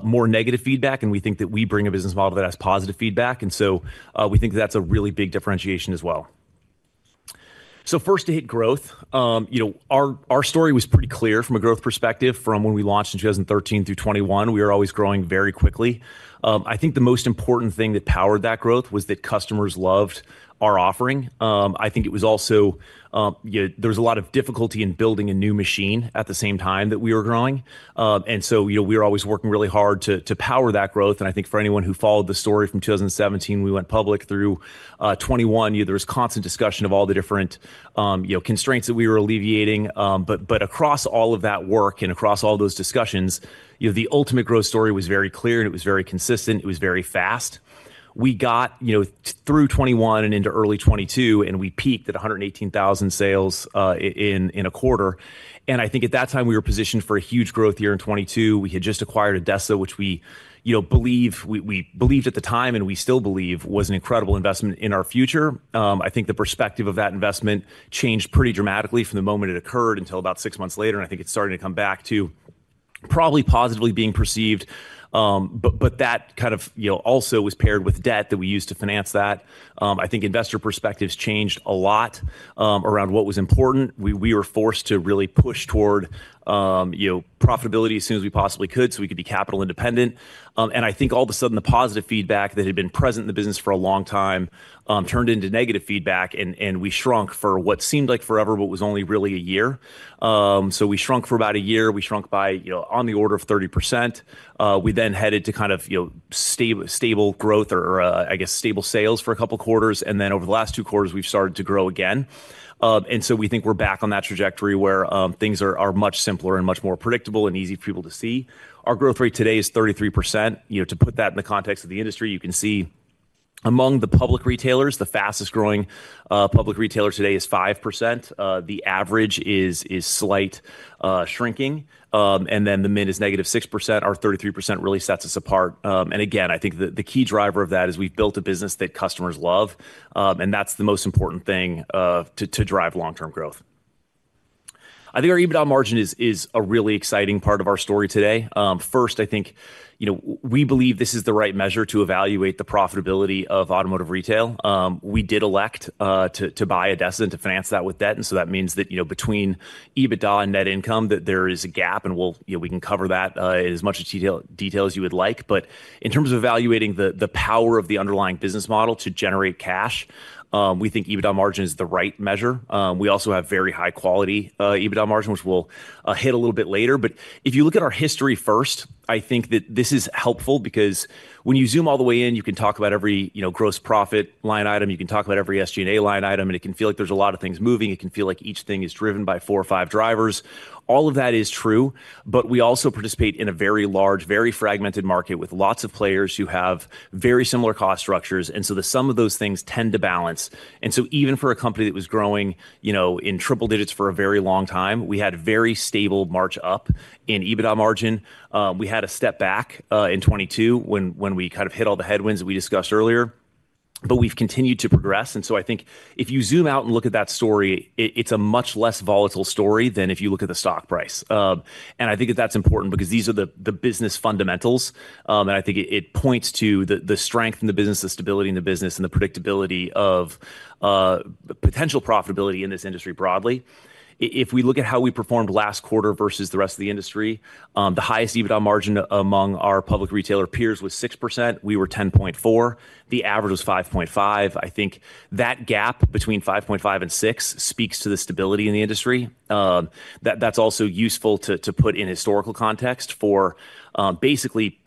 more negative feedback, and we think that we bring a business model that has positive feedback, and so we think that's a really big differentiation as well. So first to hit growth, you know, our story was pretty clear from a growth perspective from when we launched in 2013 through 2021. We were always growing very quickly. I think the most important thing that powered that growth was that customers loved our offering. I think it was also, you know, there was a lot of difficulty in building a new machine at the same time that we were growing. And so, you know, we were always working really hard to power that growth, and I think for anyone who followed the story from 2017, we went public through 2021. You know, there was constant discussion of all the different, you know, constraints that we were alleviating. But across all of that work and across all those discussions, you know, the ultimate growth story was very clear, and it was very consistent, it was very fast. We got, you know, through 2021 and into early 2022, and we peaked at 118,000 sales in a quarter. And I think at that time, we were positioned for a huge growth year in 2022. We had just acquired ADESA, which we, you know, believe—we, we believed at the time, and we still believe was an incredible investment in our future. I think the perspective of that investment changed pretty dramatically from the moment it occurred until about six months later, and I think it's starting to come back to... probably positively being perceived, but, but that kind of, you know, also was paired with debt that we used to finance that. I think investor perspectives changed a lot, around what was important. We, we were forced to really push toward, you know, profitability as soon as we possibly could, so we could be capital independent. And I think all of a sudden, the positive feedback that had been present in the business for a long time, turned into negative feedback, and, and we shrunk for what seemed like forever, but was only really a year. So we shrunk for about a year. We shrunk by, you know, on the order of 30%. We then headed to kind of, you know, stable growth or, I guess, stable sales for a couple quarters, and then over the last two quarters, we've started to grow again. And so we think we're back on that trajectory where things are much simpler and much more predictable and easy for people to see. Our growth rate today is 33%. You know, to put that in the context of the industry, you can see among the public retailers, the fastest-growing public retailer today is 5%. The average is slight shrinking, and then the mid is -6%. Our 33% really sets us apart. And again, I think the key driver of that is we've built a business that customers love, and that's the most important thing to drive long-term growth. I think our EBITDA margin is a really exciting part of our story today. First, I think, you know, we believe this is the right measure to evaluate the profitability of automotive retail. We did elect to buy ADESA and to finance that with debt, and so that means that, you know, between EBITDA and net income, that there is a gap, and we'll... You know, we can cover that in as much detail as you would like. But in terms of evaluating the power of the underlying business model to generate cash, we think EBITDA margin is the right measure. We also have very high-quality EBITDA margin, which we'll hit a little bit later. But if you look at our history first, I think that this is helpful because when you zoom all the way in, you can talk about every, you know, gross profit line item, you can talk about every SG&A line item, and it can feel like there's a lot of things moving. It can feel like each thing is driven by four or five drivers. All of that is true, but we also participate in a very large, very fragmented market with lots of players who have very similar cost structures, and so the sum of those things tend to balance. And so even for a company that was growing, you know, in triple digits for a very long time, we had very stable march up in EBITDA margin. We had a step back in 2022 when, when we kind of hit all the headwinds that we discussed earlier, but we've continued to progress. And so I think if you zoom out and look at that story, it, it's a much less volatile story than if you look at the stock price. And I think that that's important because these are the, the business fundamentals, and I think it, it points to the, the strength in the business, the stability in the business, and the predictability of the potential profitability in this industry broadly. If we look at how we performed last quarter versus the rest of the industry, the highest EBITDA margin among our public retailer peers was 6%. We were 10.4%. The average was 5.5%. I think that gap between 5.5 and 6 speaks to the stability in the industry. That's also useful to put in historical context for, basically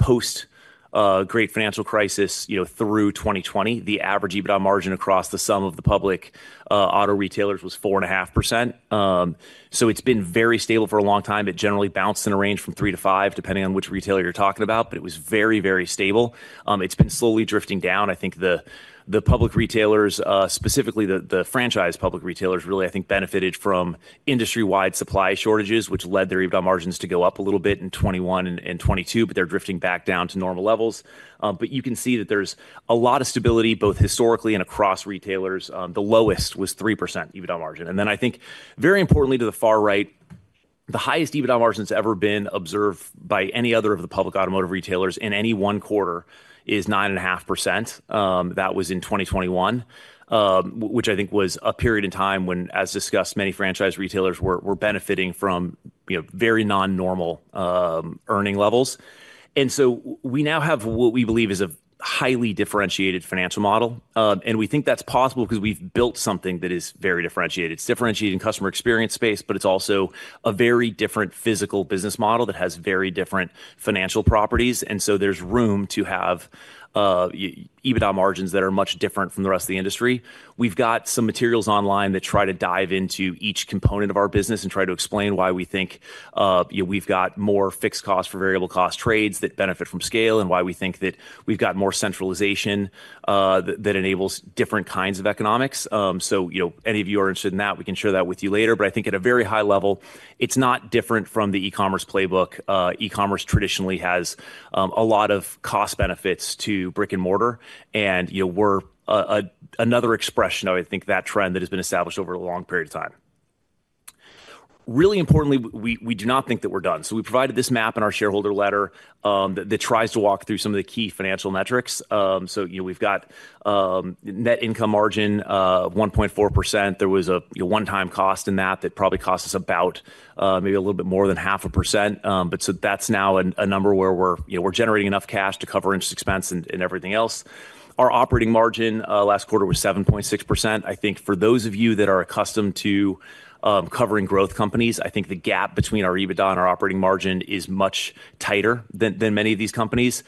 post-Great Financial Crisis, you know, through 2020, the average EBITDA margin across the sum of the public auto retailers was 4.5%. So it's been very stable for a long time. It generally bounced in a range from 3-5, depending on which retailer you're talking about, but it was very, very stable. It's been slowly drifting down. I think the public retailers, specifically the franchise public retailers, really benefited from industry-wide supply shortages, which led their EBITDA margins to go up a little bit in 2021 and 2022, but they're drifting back down to normal levels. But you can see that there's a lot of stability, both historically and across retailers. The lowest was 3% EBITDA margin. And then I think very importantly, to the far right, the highest EBITDA margin that's ever been observed by any other of the public automotive retailers in any one quarter is 9.5%. That was in 2021, which I think was a period in time when, as discussed, many franchise retailers were benefiting from, you know, very non-normal, earning levels. And so we now have what we believe is a highly differentiated financial model, and we think that's possible because we've built something that is very differentiated. It's differentiated in customer experience space, but it's also a very different physical business model that has very different financial properties, and so there's room to have EBITDA margins that are much different from the rest of the industry. We've got some materials online that try to dive into each component of our business and try to explain why we think, you know, we've got more fixed cost for variable cost trades that benefit from scale, and why we think that we've got more centralization, that enables different kinds of economics. So you know, any of you are interested in that, we can share that with you later. But I think at a very high level, it's not different from the e-commerce playbook. E-commerce traditionally has a lot of cost benefits to brick-and-mortar, and, you know, we're a another expression of, I think, that trend that has been established over a long period of time. Really importantly, we do not think that we're done. So we provided this map in our shareholder letter that tries to walk through some of the key financial metrics. So, you know, we've got net income margin of 1.4%. There was a, you know, one-time cost in that that probably cost us about, maybe a little bit more than 0.5%. But so that's now a number where we're, you know, we're generating enough cash to cover interest expense and everything else. Our operating margin last quarter was 7.6%. I think for those of you that are accustomed to covering growth companies, I think the gap between our EBITDA and our operating margin is much tighter than many of these companies.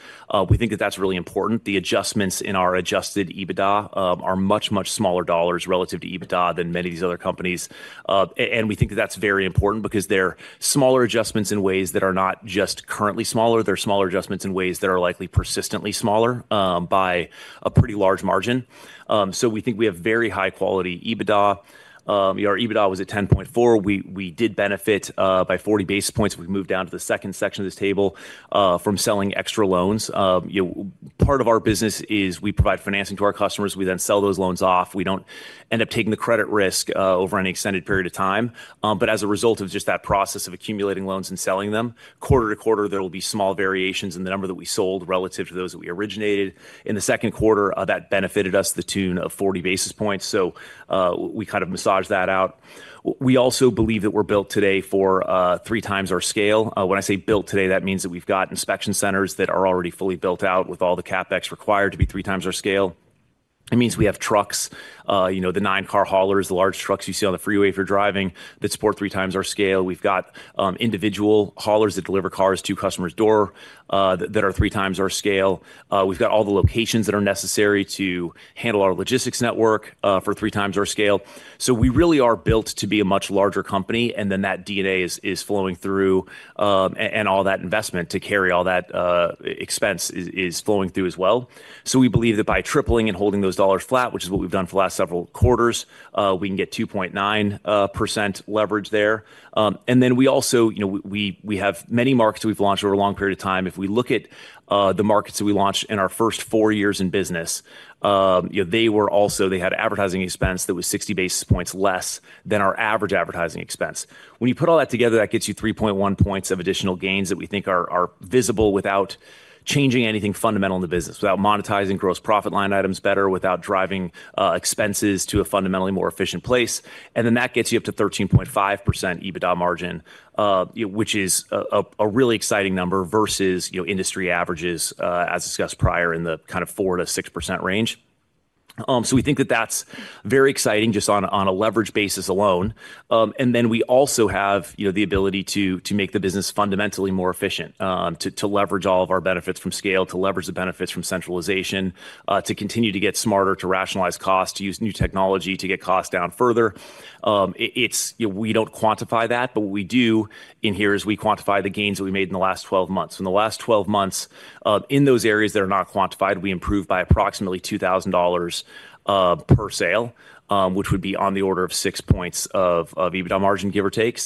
We think that that's really important. The adjustments in our adjusted EBITDA are much, much smaller dollars relative to EBITDA than many of these other companies. And we think that's very important because they're smaller adjustments in ways that are not just currently smaller, they're smaller adjustments in ways that are likely persistently smaller by a pretty large margin. So we think we have very high-quality EBITDA. Our EBITDA was at 10.4. We did benefit by 40 basis points. We've moved down to the second section of this table from selling extra loans. Part of our business is we provide financing to our customers. We then sell those loans off. We don't end up taking the credit risk over any extended period of time. But as a result of just that process of accumulating loans and selling them, quarter to quarter, there will be small variations in the number that we sold relative to those that we originated. In the second quarter, that benefited us to the tune of 40 basis points. So, we kind of massage that out. We also believe that we're built today for three times our scale. When I say built today, that means that we've got inspection centers that are already fully built out with all the CapEx required to be three times our scale. It means we have trucks, you know, the 9-car haulers, the large trucks you see on the freeway if you're driving, that support three times our scale. We've got individual haulers that deliver cars to customer's door, that are three times our scale. We've got all the locations that are necessary to handle our logistics network, for three times our scale. So we really are built to be a much larger company, and then that DNA is flowing through, and all that investment to carry all that expense is flowing through as well. So we believe that by tripling and holding those dollars flat, which is what we've done for the last several quarters, we can get 2.9% leverage there. And then we also, you know, we have many markets we've launched over a long period of time. If we look at the markets that we launched in our first four years in business, you know, they also had advertising expense that was 60 basis points less than our average advertising expense. When you put all that together, that gets you 3.1 points of additional gains that we think are visible without changing anything fundamental in the business, without monetizing gross profit line items better, without driving expenses to a fundamentally more efficient place. And then that gets you up to 13.5% EBITDA margin, which is a really exciting number versus, you know, industry averages, as discussed prior in the kind of 4%-6% range. So we think that that's very exciting just on a leverage basis alone. And then we also have, you know, the ability to make the business fundamentally more efficient, to leverage all of our benefits from scale, to leverage the benefits from centralization, to continue to get smarter, to rationalize costs, to use new technology, to get costs down further. It's. We don't quantify that, but what we do in here is we quantify the gains that we made in the last 12 months. In the last 12 months, in those areas that are not quantified, we improved by approximately $2,000 per sale, which would be on the order of 6 points of EBITDA margin, give or take.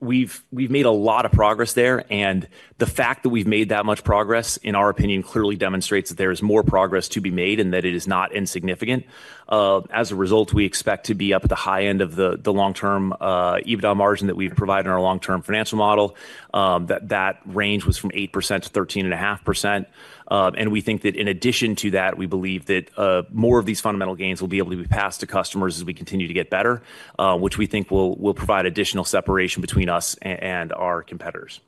We've made a lot of progress there, and the fact that we've made that much progress, in our opinion, clearly demonstrates that there is more progress to be made and that it is not insignificant. As a result, we expect to be up at the high end of the long-term EBITDA margin that we've provided in our long-term financial model. That range was from 8%-13.5%. We think that in addition to that, we believe that more of these fundamental gains will be able to be passed to customers as we continue to get better, which we think will provide additional separation between us and our competitors.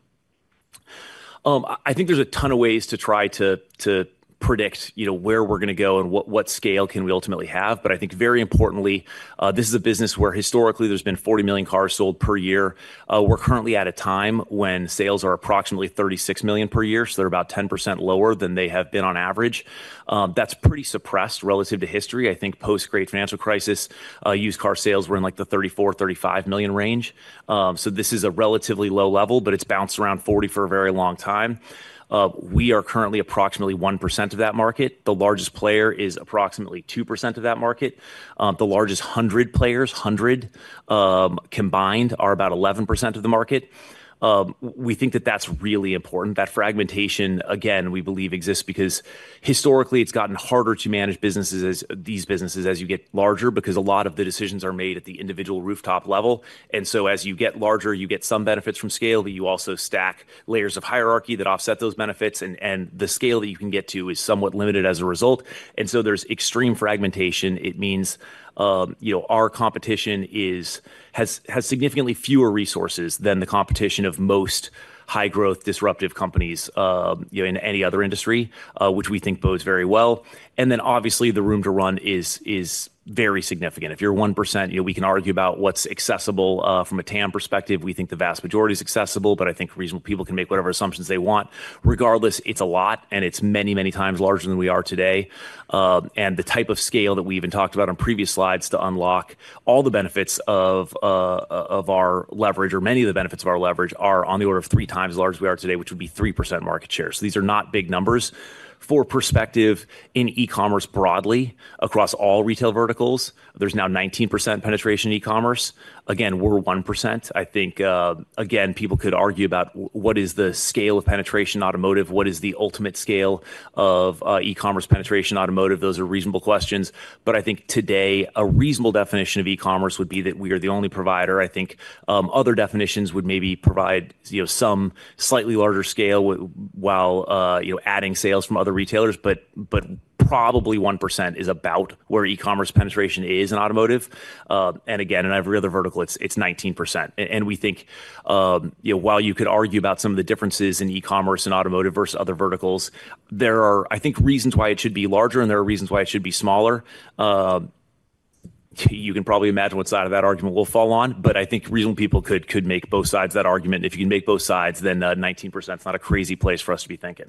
I think there's a ton of ways to try to, to predict, you know, where we're going to go and what, what scale can we ultimately have. But I think very importantly, this is a business where historically there's been 40 million cars sold per year. We're currently at a time when sales are approximately 36 million per year, so they're about 10% lower than they have been on average. That's pretty suppressed relative to history. I think post-Great Financial Crisis, used car sales were in, like, the 34, 35 million range. So this is a relatively low level, but it's bounced around 40 for a very long time. We are currently approximately 1% of that market. The largest player is approximately 2% of that market. The largest 100 players combined are about 11% of the market. We think that that's really important. That fragmentation, again, we believe exists because historically, it's gotten harder to manage these businesses as you get larger, because a lot of the decisions are made at the individual rooftop level. So as you get larger, you get some benefits from scale, but you also stack layers of hierarchy that offset those benefits, and the scale that you can get to is somewhat limited as a result. So there's extreme fragmentation. It means, you know, our competition has significantly fewer resources than the competition of most high-growth, disruptive companies, you know, in any other industry, which we think bodes very well. Then obviously, the room to run is very significant. If you're 1%, you know, we can argue about what's accessible. From a TAM perspective, we think the vast majority is accessible, but I think reasonable people can make whatever assumptions they want. Regardless, it's a lot, and it's many, many times larger than we are today. And the type of scale that we even talked about on previous slides to unlock all the benefits of our leverage or many of the benefits of our leverage are on the order of three times as large as we are today, which would be 3% market share. So these are not big numbers. For perspective, in e-commerce broadly, across all retail verticals, there's now 19% penetration in e-commerce. Again, we're 1%. I think, again, people could argue about what is the scale of penetration automotive? What is the ultimate scale of e-commerce penetration automotive? Those are reasonable questions, but I think today, a reasonable definition of e-commerce would be that we are the only provider. I think other definitions would maybe provide, you know, some slightly larger scale while adding sales from other retailers, but probably 1% is about where e-commerce penetration is in automotive. And again, in every other vertical, it's 19%. And we think, you know, while you could argue about some of the differences in e-commerce and automotive versus other verticals, there are, I think, reasons why it should be larger, and there are reasons why it should be smaller. You can probably imagine what side of that argument we'll fall on, but I think reasonable people could make both sides of that argument. If you can make both sides, then, 19% is not a crazy place for us to be thinking.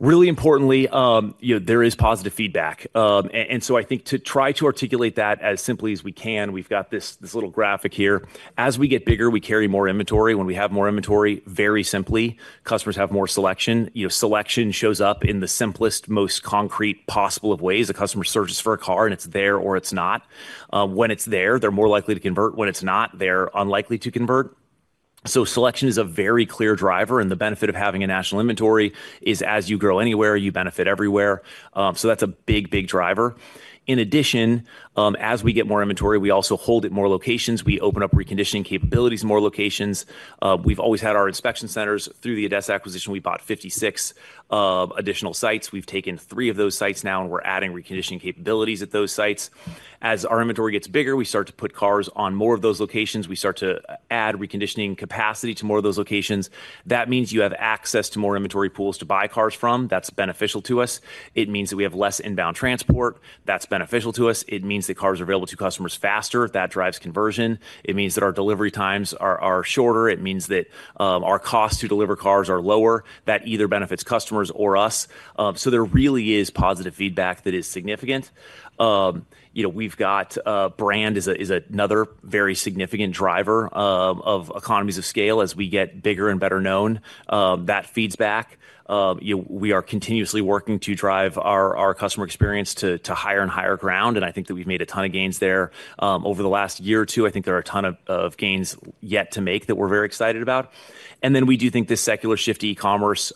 Really importantly, you know, there is positive feedback. And so I think to try to articulate that as simply as we can, we've got this, this little graphic here. As we get bigger, we carry more inventory. When we have more inventory, very simply, customers have more selection. You know, selection shows up in the simplest, most concrete possible of ways. A customer searches for a car, and it's there or it's not. When it's there, they're more likely to convert. When it's not, they're unlikely to convert.... So selection is a very clear driver, and the benefit of having a national inventory is as you grow anywhere, you benefit everywhere. So that's a big, big driver. In addition, as we get more inventory, we also hold at more locations. We open up reconditioning capabilities in more locations. We've always had our inspection centers. Through the ADESA acquisition, we bought 56 additional sites. We've taken three of those sites now, and we're adding reconditioning capabilities at those sites. As our inventory gets bigger, we start to put cars on more of those locations. We start to add reconditioning capacity to more of those locations. That means you have access to more inventory pools to buy cars from. That's beneficial to us. It means that we have less inbound transport. That's beneficial to us. It means that cars are available to customers faster. That drives conversion. It means that our delivery times are shorter. It means that our costs to deliver cars are lower. That either benefits customers or us. So there really is positive feedback that is significant. You know, we've got, brand is a, is another very significant driver of, of economies of scale. As we get bigger and better known, that feeds back. We are continuously working to drive our, our customer experience to, to higher and higher ground, and I think that we've made a ton of gains there, over the last year or two. I think there are a ton of, of gains yet to make that we're very excited about. And then we do think this secular shift to e-commerce,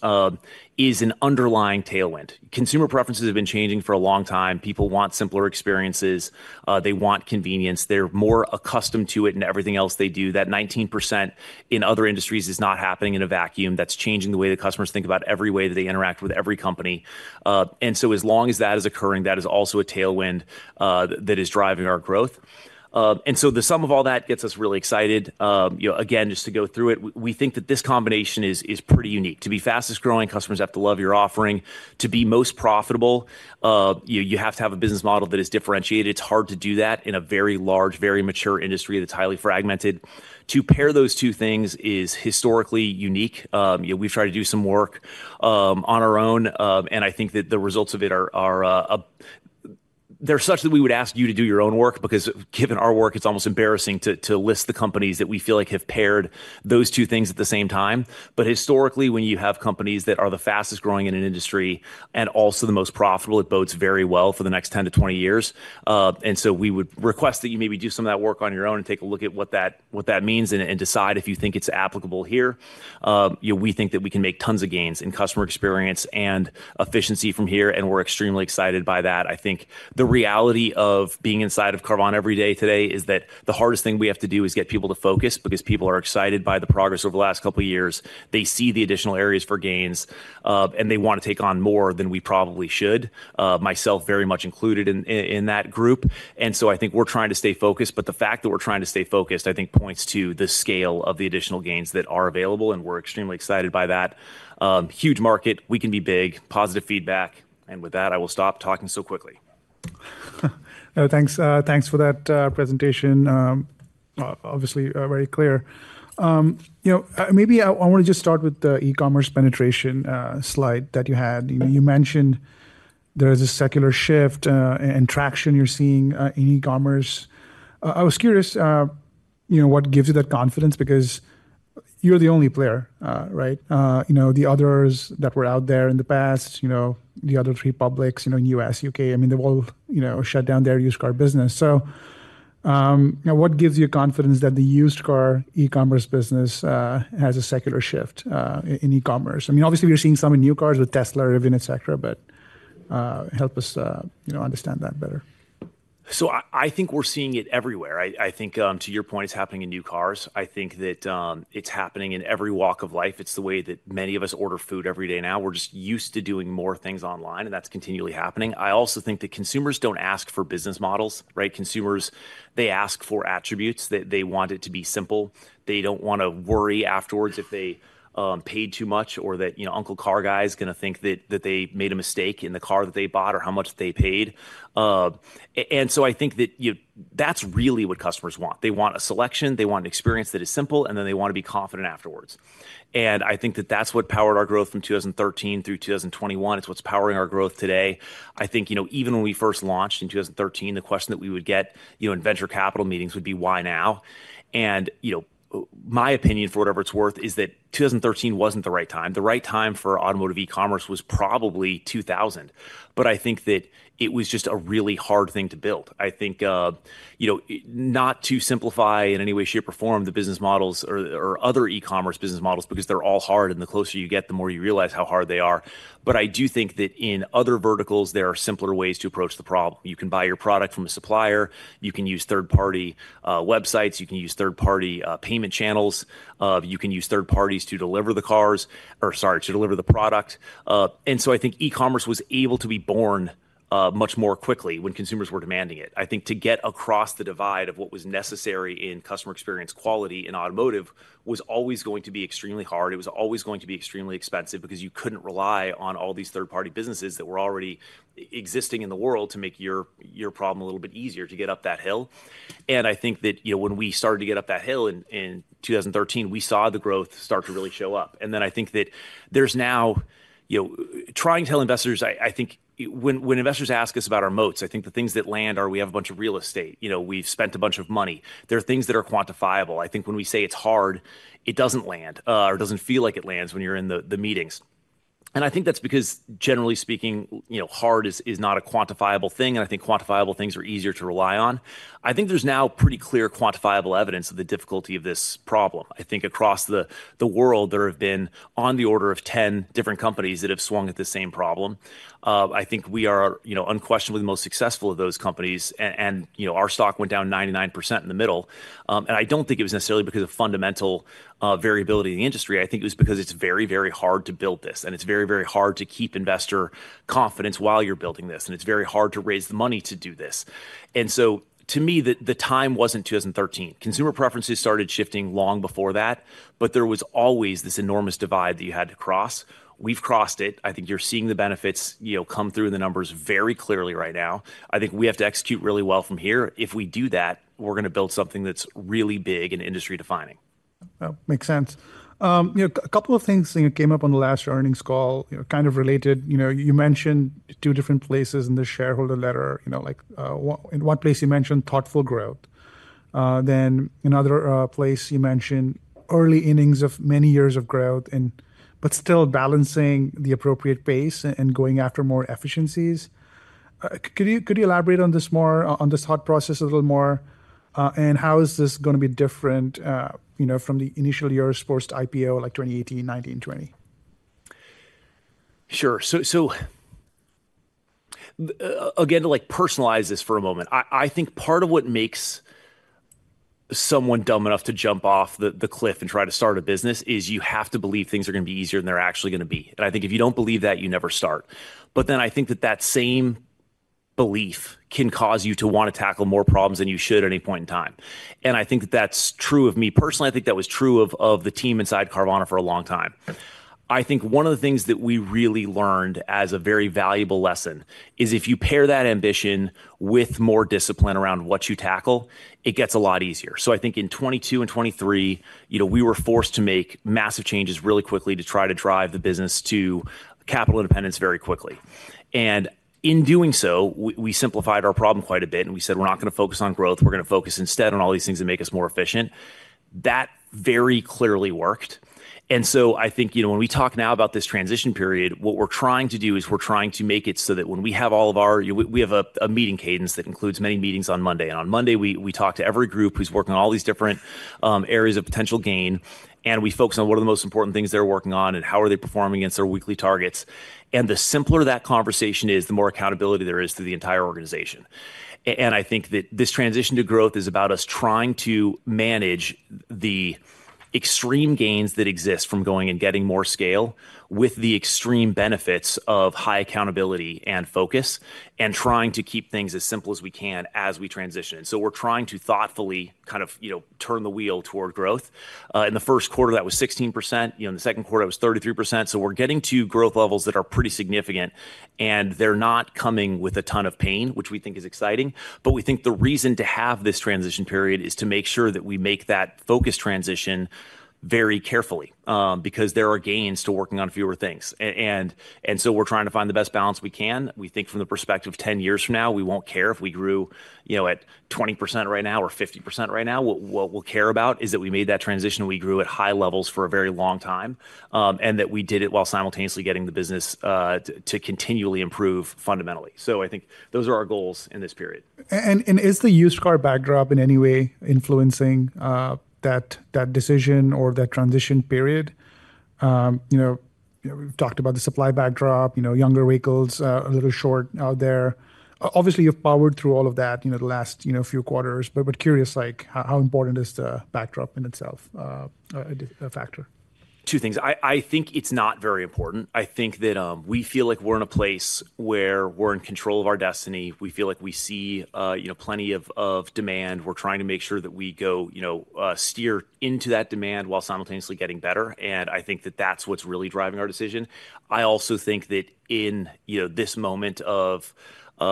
is an underlying tailwind. Consumer preferences have been changing for a long time. People want simpler experiences. They want convenience. They're more accustomed to it in everything else they do. That 19% in other industries is not happening in a vacuum. That's changing the way that customers think about every way that they interact with every company. And so as long as that is occurring, that is also a tailwind that is driving our growth. And so the sum of all that gets us really excited. You know, again, just to go through it, we think that this combination is pretty unique. To be fastest-growing, customers have to love your offering. To be most profitable, you have to have a business model that is differentiated. It's hard to do that in a very large, very mature industry that's highly fragmented. To pair those two things is historically unique. You know, we've tried to do some work on our own, and I think that the results of it are... They're such that we would ask you to do your own work because given our work, it's almost embarrassing to list the companies that we feel like have paired those two things at the same time. But historically, when you have companies that are the fastest-growing in an industry and also the most profitable, it bodes very well for the next 10-20 years. And so we would request that you maybe do some of that work on your own and take a look at what that means and decide if you think it's applicable here. You know, we think that we can make tons of gains in customer experience and efficiency from here, and we're extremely excited by that. I think the reality of being inside of Carvana every day today is that the hardest thing we have to do is get people to focus because people are excited by the progress over the last couple of years. They see the additional areas for gains, and they want to take on more than we probably should, myself very much included in that group. And so I think we're trying to stay focused, but the fact that we're trying to stay focused, I think, points to the scale of the additional gains that are available, and we're extremely excited by that. Huge market, we can be big, positive feedback, and with that, I will stop talking so quickly. Oh, thanks, thanks for that presentation. Obviously, very clear. You know, maybe I want to just start with the e-commerce penetration slide that you had. You know, you mentioned there is a secular shift and traction you're seeing in e-commerce. I was curious, you know, what gives you that confidence? Because you're the only player, right? You know, the others that were out there in the past, you know, the other three publics, you know, in U.S., U.K., I mean, they've all, you know, shut down their used car business. So, you know, what gives you confidence that the used car e-commerce business has a secular shift in e-commerce? I mean, obviously, we're seeing some in new cars with Tesla, Rivian, et cetera, but help us, you know, understand that better. So I think we're seeing it everywhere. I think, to your point, it's happening in new cars. I think that, it's happening in every walk of life. It's the way that many of us order food every day now. We're just used to doing more things online, and that's continually happening. I also think that consumers don't ask for business models, right? Consumers, they ask for attributes, that they want it to be simple. They don't want to worry afterwards if they, paid too much or that, you know, Uncle Car Guy is going to think that, they made a mistake in the car that they bought or how much they paid. And so I think that you, that's really what customers want. They want a selection, they want an experience that is simple, and then they want to be confident afterwards. I think that that's what powered our growth from 2013 through 2021. It's what's powering our growth today. I think, you know, even when we first launched in 2013, the question that we would get, you know, in venture capital meetings would be, "Why now?" You know, my opinion, for whatever it's worth, is that 2013 wasn't the right time. The right time for automotive e-commerce was probably 2000, but I think that it was just a really hard thing to build. I think, you know, not to simplify in any way, shape, or form the business models or other e-commerce business models because they're all hard, and the closer you get, the more you realize how hard they are. I do think that in other verticals, there are simpler ways to approach the problem. You can buy your product from a supplier, you can use third-party websites, you can use third-party payment channels, you can use third parties to deliver the cars, or sorry, to deliver the product. And so I think e-commerce was able to be born much more quickly when consumers were demanding it. I think to get across the divide of what was necessary in customer experience quality in automotive was always going to be extremely hard. It was always going to be extremely expensive because you couldn't rely on all these third-party businesses that were already existing in the world to make your problem a little bit easier to get up that hill. And I think that, you know, when we started to get up that hill in 2013, we saw the growth start to really show up. And then I think that there's now... You know, trying to tell investors, I think when investors ask us about our moats, I think the things that land are we have a bunch of real estate. You know, we've spent a bunch of money. There are things that are quantifiable. I think when we say it's hard, it doesn't land, or it doesn't feel like it lands when you're in the meetings. And I think that's because, generally speaking, you know, hard is not a quantifiable thing, and I think quantifiable things are easier to rely on. I think there's now pretty clear quantifiable evidence of the difficulty of this problem. I think across the world, there have been on the order of 10 different companies that have swung at the same problem. I think we are, you know, unquestionably the most successful of those companies. And, you know, our stock went down 99% in the middle. I don't think it was necessarily because of fundamental variability in the industry. I think it was because it's very, very hard to build this, and it's very, very hard to keep investor confidence while you're building this, and it's very hard to raise the money to do this. And so to me, the time wasn't 2013. Consumer preferences started shifting long before that, but there was always this enormous divide that you had to cross. We've crossed it. I think you're seeing the benefits, you know, come through in the numbers very clearly right now. I think we have to execute really well from here. If we do that, we're gonna build something that's really big and industry-defining. Well, makes sense. You know, a couple of things that came up on the last earnings call, you know, kind of related. You know, you mentioned two different places in the shareholder letter. You know, like, in one place you mentioned thoughtful growth. Then another place you mentioned early innings of many years of growth, but still balancing the appropriate pace and going after more efficiencies. Could you elaborate on this more, on this thought process a little more? And how is this gonna be different, you know, from the initial years post-IPO, like 2018, 2019, 2020? Sure. So again, to like personalize this for a moment, I think part of what makes someone dumb enough to jump off the cliff and try to start a business is you have to believe things are gonna be easier than they're actually gonna be. And I think if you don't believe that, you never start. But then I think that same belief can cause you to want to tackle more problems than you should at any point in time. And I think that's true of me personally. I think that was true of the team inside Carvana for a long time. I think one of the things that we really learned as a very valuable lesson is if you pair that ambition with more discipline around what you tackle, it gets a lot easier. So I think in 2022 and 2023, you know, we were forced to make massive changes really quickly to try to drive the business to capital independence very quickly. And in doing so, we simplified our problem quite a bit, and we said: "We're not gonna focus on growth. We're gonna focus instead on all these things that make us more efficient." That very clearly worked. And so I think, you know, when we talk now about this transition period, what we're trying to do is we're trying to make it so that when we have all of our... We have a meeting cadence that includes many meetings on Monday, and on Monday, we talk to every group who's working on all these different areas of potential gain, and we focus on what are the most important things they're working on and how are they performing against their weekly targets. And the simpler that conversation is, the more accountability there is through the entire organization. And I think that this transition to growth is about us trying to manage the extreme gains that exist from going and getting more scale with the extreme benefits of high accountability and focus, and trying to keep things as simple as we can as we transition. So we're trying to thoughtfully, kind of, you know, turn the wheel toward growth. In the first quarter, that was 16%. You know, in the second quarter, it was 33%. So we're getting to growth levels that are pretty significant, and they're not coming with a ton of pain, which we think is exciting. But we think the reason to have this transition period is to make sure that we make that focus transition very carefully, because there are gains to working on fewer things. And so we're trying to find the best balance we can. We think from the perspective of 10 years from now, we won't care if we grew, you know, at 20% right now or 50% right now. What, what we'll care about is that we made that transition, and we grew at high levels for a very long time, and that we did it while simultaneously getting the business, to continually improve fundamentally. I think those are our goals in this period. Is the used car backdrop in any way influencing that that decision or that transition period? You know, we've talked about the supply backdrop, you know, younger vehicles, a little short out there. Obviously, you've powered through all of that, you know, the last, you know, few quarters. But curious, like, how important is the backdrop in itself, a factor? Two things. I think it's not very important. I think that we feel like we're in a place where we're in control of our destiny. We feel like we see, you know, plenty of demand. We're trying to make sure that we go, you know, steer into that demand while simultaneously getting better, and I think that that's what's really driving our decision. I also think that in, you know, this moment of, you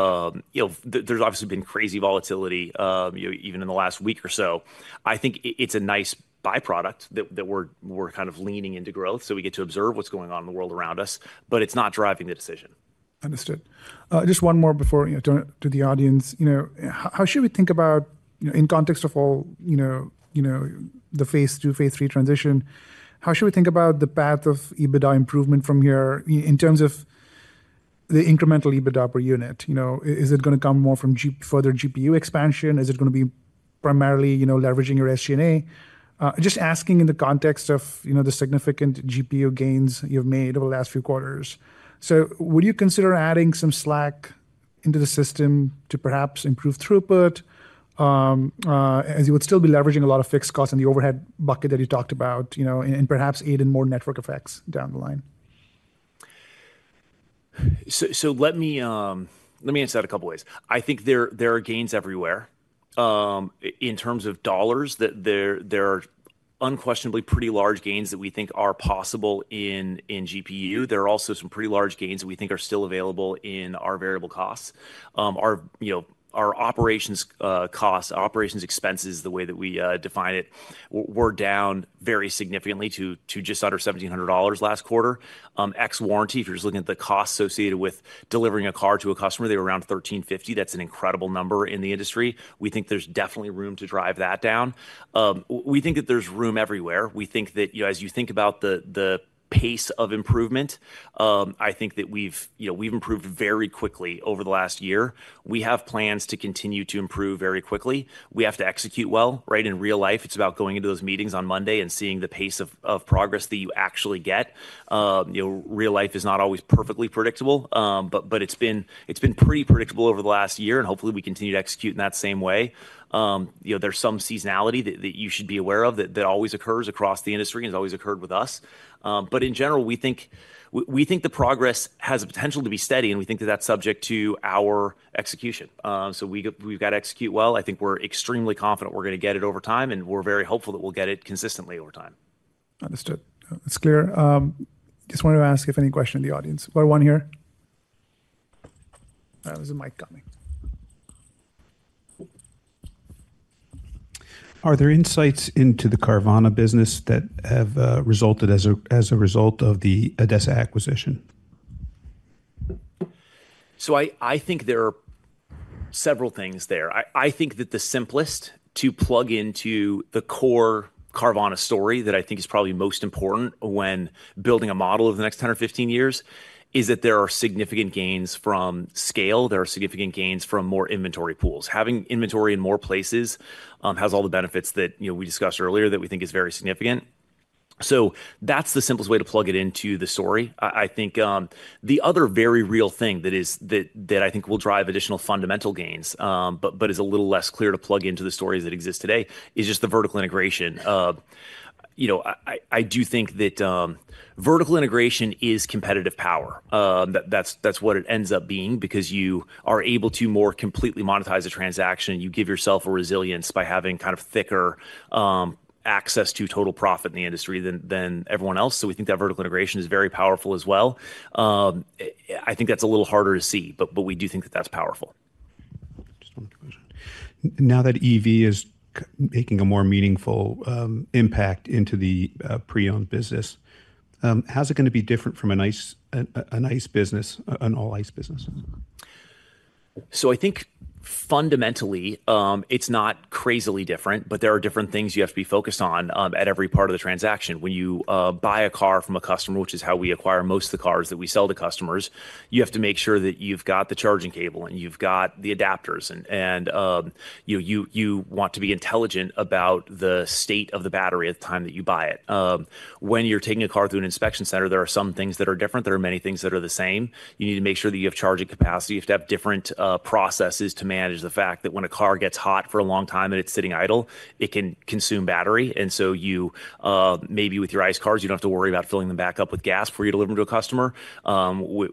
know, there's obviously been crazy volatility, you know, even in the last week or so. I think it's a nice by-product that we're kind of leaning into growth, so we get to observe what's going on in the world around us, but it's not driving the decision. Understood. Just one more before, you know, turn it to the audience. You know, how should we think about, you know, in context of all, you know, you know, the phase two, phase three transition, how should we think about the path of EBITDA improvement from here in terms of the incremental EBITDA per unit? You know, is it gonna come more from further GPU expansion? Is it gonna be primarily, you know, leveraging your SG&A? Just asking in the context of, you know, the significant GPU gains you've made over the last few quarters. So would you consider adding some slack into the system to perhaps improve throughput? As you would still be leveraging a lot of fixed costs in the overhead bucket that you talked about, you know, and, and perhaps even more network effects down the line.... So let me answer that a couple ways. I think there are gains everywhere. In terms of dollars, there are unquestionably pretty large gains that we think are possible in GPU. There are also some pretty large gains that we think are still available in our variable costs. You know, our operations costs, operations expenses, the way that we define it, were down very significantly to just under $1,700 last quarter. Ex warranty, if you're just looking at the costs associated with delivering a car to a customer, they were around $1,350. That's an incredible number in the industry. We think there's definitely room to drive that down. We think that there's room everywhere. We think that, you know, as you think about the, the pace of improvement, I think that we've, you know, we've improved very quickly over the last year. We have plans to continue to improve very quickly. We have to execute well, right? In real life, it's about going into those meetings on Monday and seeing the pace of, of progress that you actually get. You know, real life is not always perfectly predictable, but it's been pretty predictable over the last year, and hopefully, we continue to execute in that same way. You know, there's some seasonality that, that you should be aware of, that, that always occurs across the industry, and it's always occurred with us. But in general, we think we think the progress has the potential to be steady, and we think that that's subject to our execution. So we've got to execute well. I think we're extremely confident we're going to get it over time, and we're very hopeful that we'll get it consistently over time. Understood. It's clear. Just wanted to ask if any question in the audience. We have one here. There's a mic coming. Are there insights into the Carvana business that have resulted as a result of the ADESA acquisition? So I think there are several things there. I think that the simplest to plug into the core Carvana story that I think is probably most important when building a model of the next 10 or 15 years, is that there are significant gains from scale. There are significant gains from more inventory pools. Having inventory in more places has all the benefits that, you know, we discussed earlier that we think is very significant. So that's the simplest way to plug it into the story. I think the other very real thing that is that I think will drive additional fundamental gains, but is a little less clear to plug into the stories that exist today, is just the vertical integration. You know, I do think that vertical integration is competitive power. That's what it ends up being, because you are able to more completely monetize a transaction. You give yourself a resilience by having kind of thicker access to total profit in the industry than everyone else. So we think that vertical integration is very powerful as well. I think that's a little harder to see, but we do think that that's powerful. Just one question. Now that EV is making a more meaningful impact into the pre-owned business, how's it going to be different from an ICE business, an all-ICE business? So I think fundamentally, it's not crazily different, but there are different things you have to be focused on at every part of the transaction. When you buy a car from a customer, which is how we acquire most of the cars that we sell to customers, you have to make sure that you've got the charging cable and you've got the adapters, and you want to be intelligent about the state of the battery at the time that you buy it. When you're taking a car through an inspection center, there are some things that are different. There are many things that are the same. You need to make sure that you have charging capacity. You have to have different processes to manage the fact that when a car gets hot for a long time and it's sitting idle, it can consume battery, and so you maybe with your ICE cars, you don't have to worry about filling them back up with gas before you deliver them to a customer.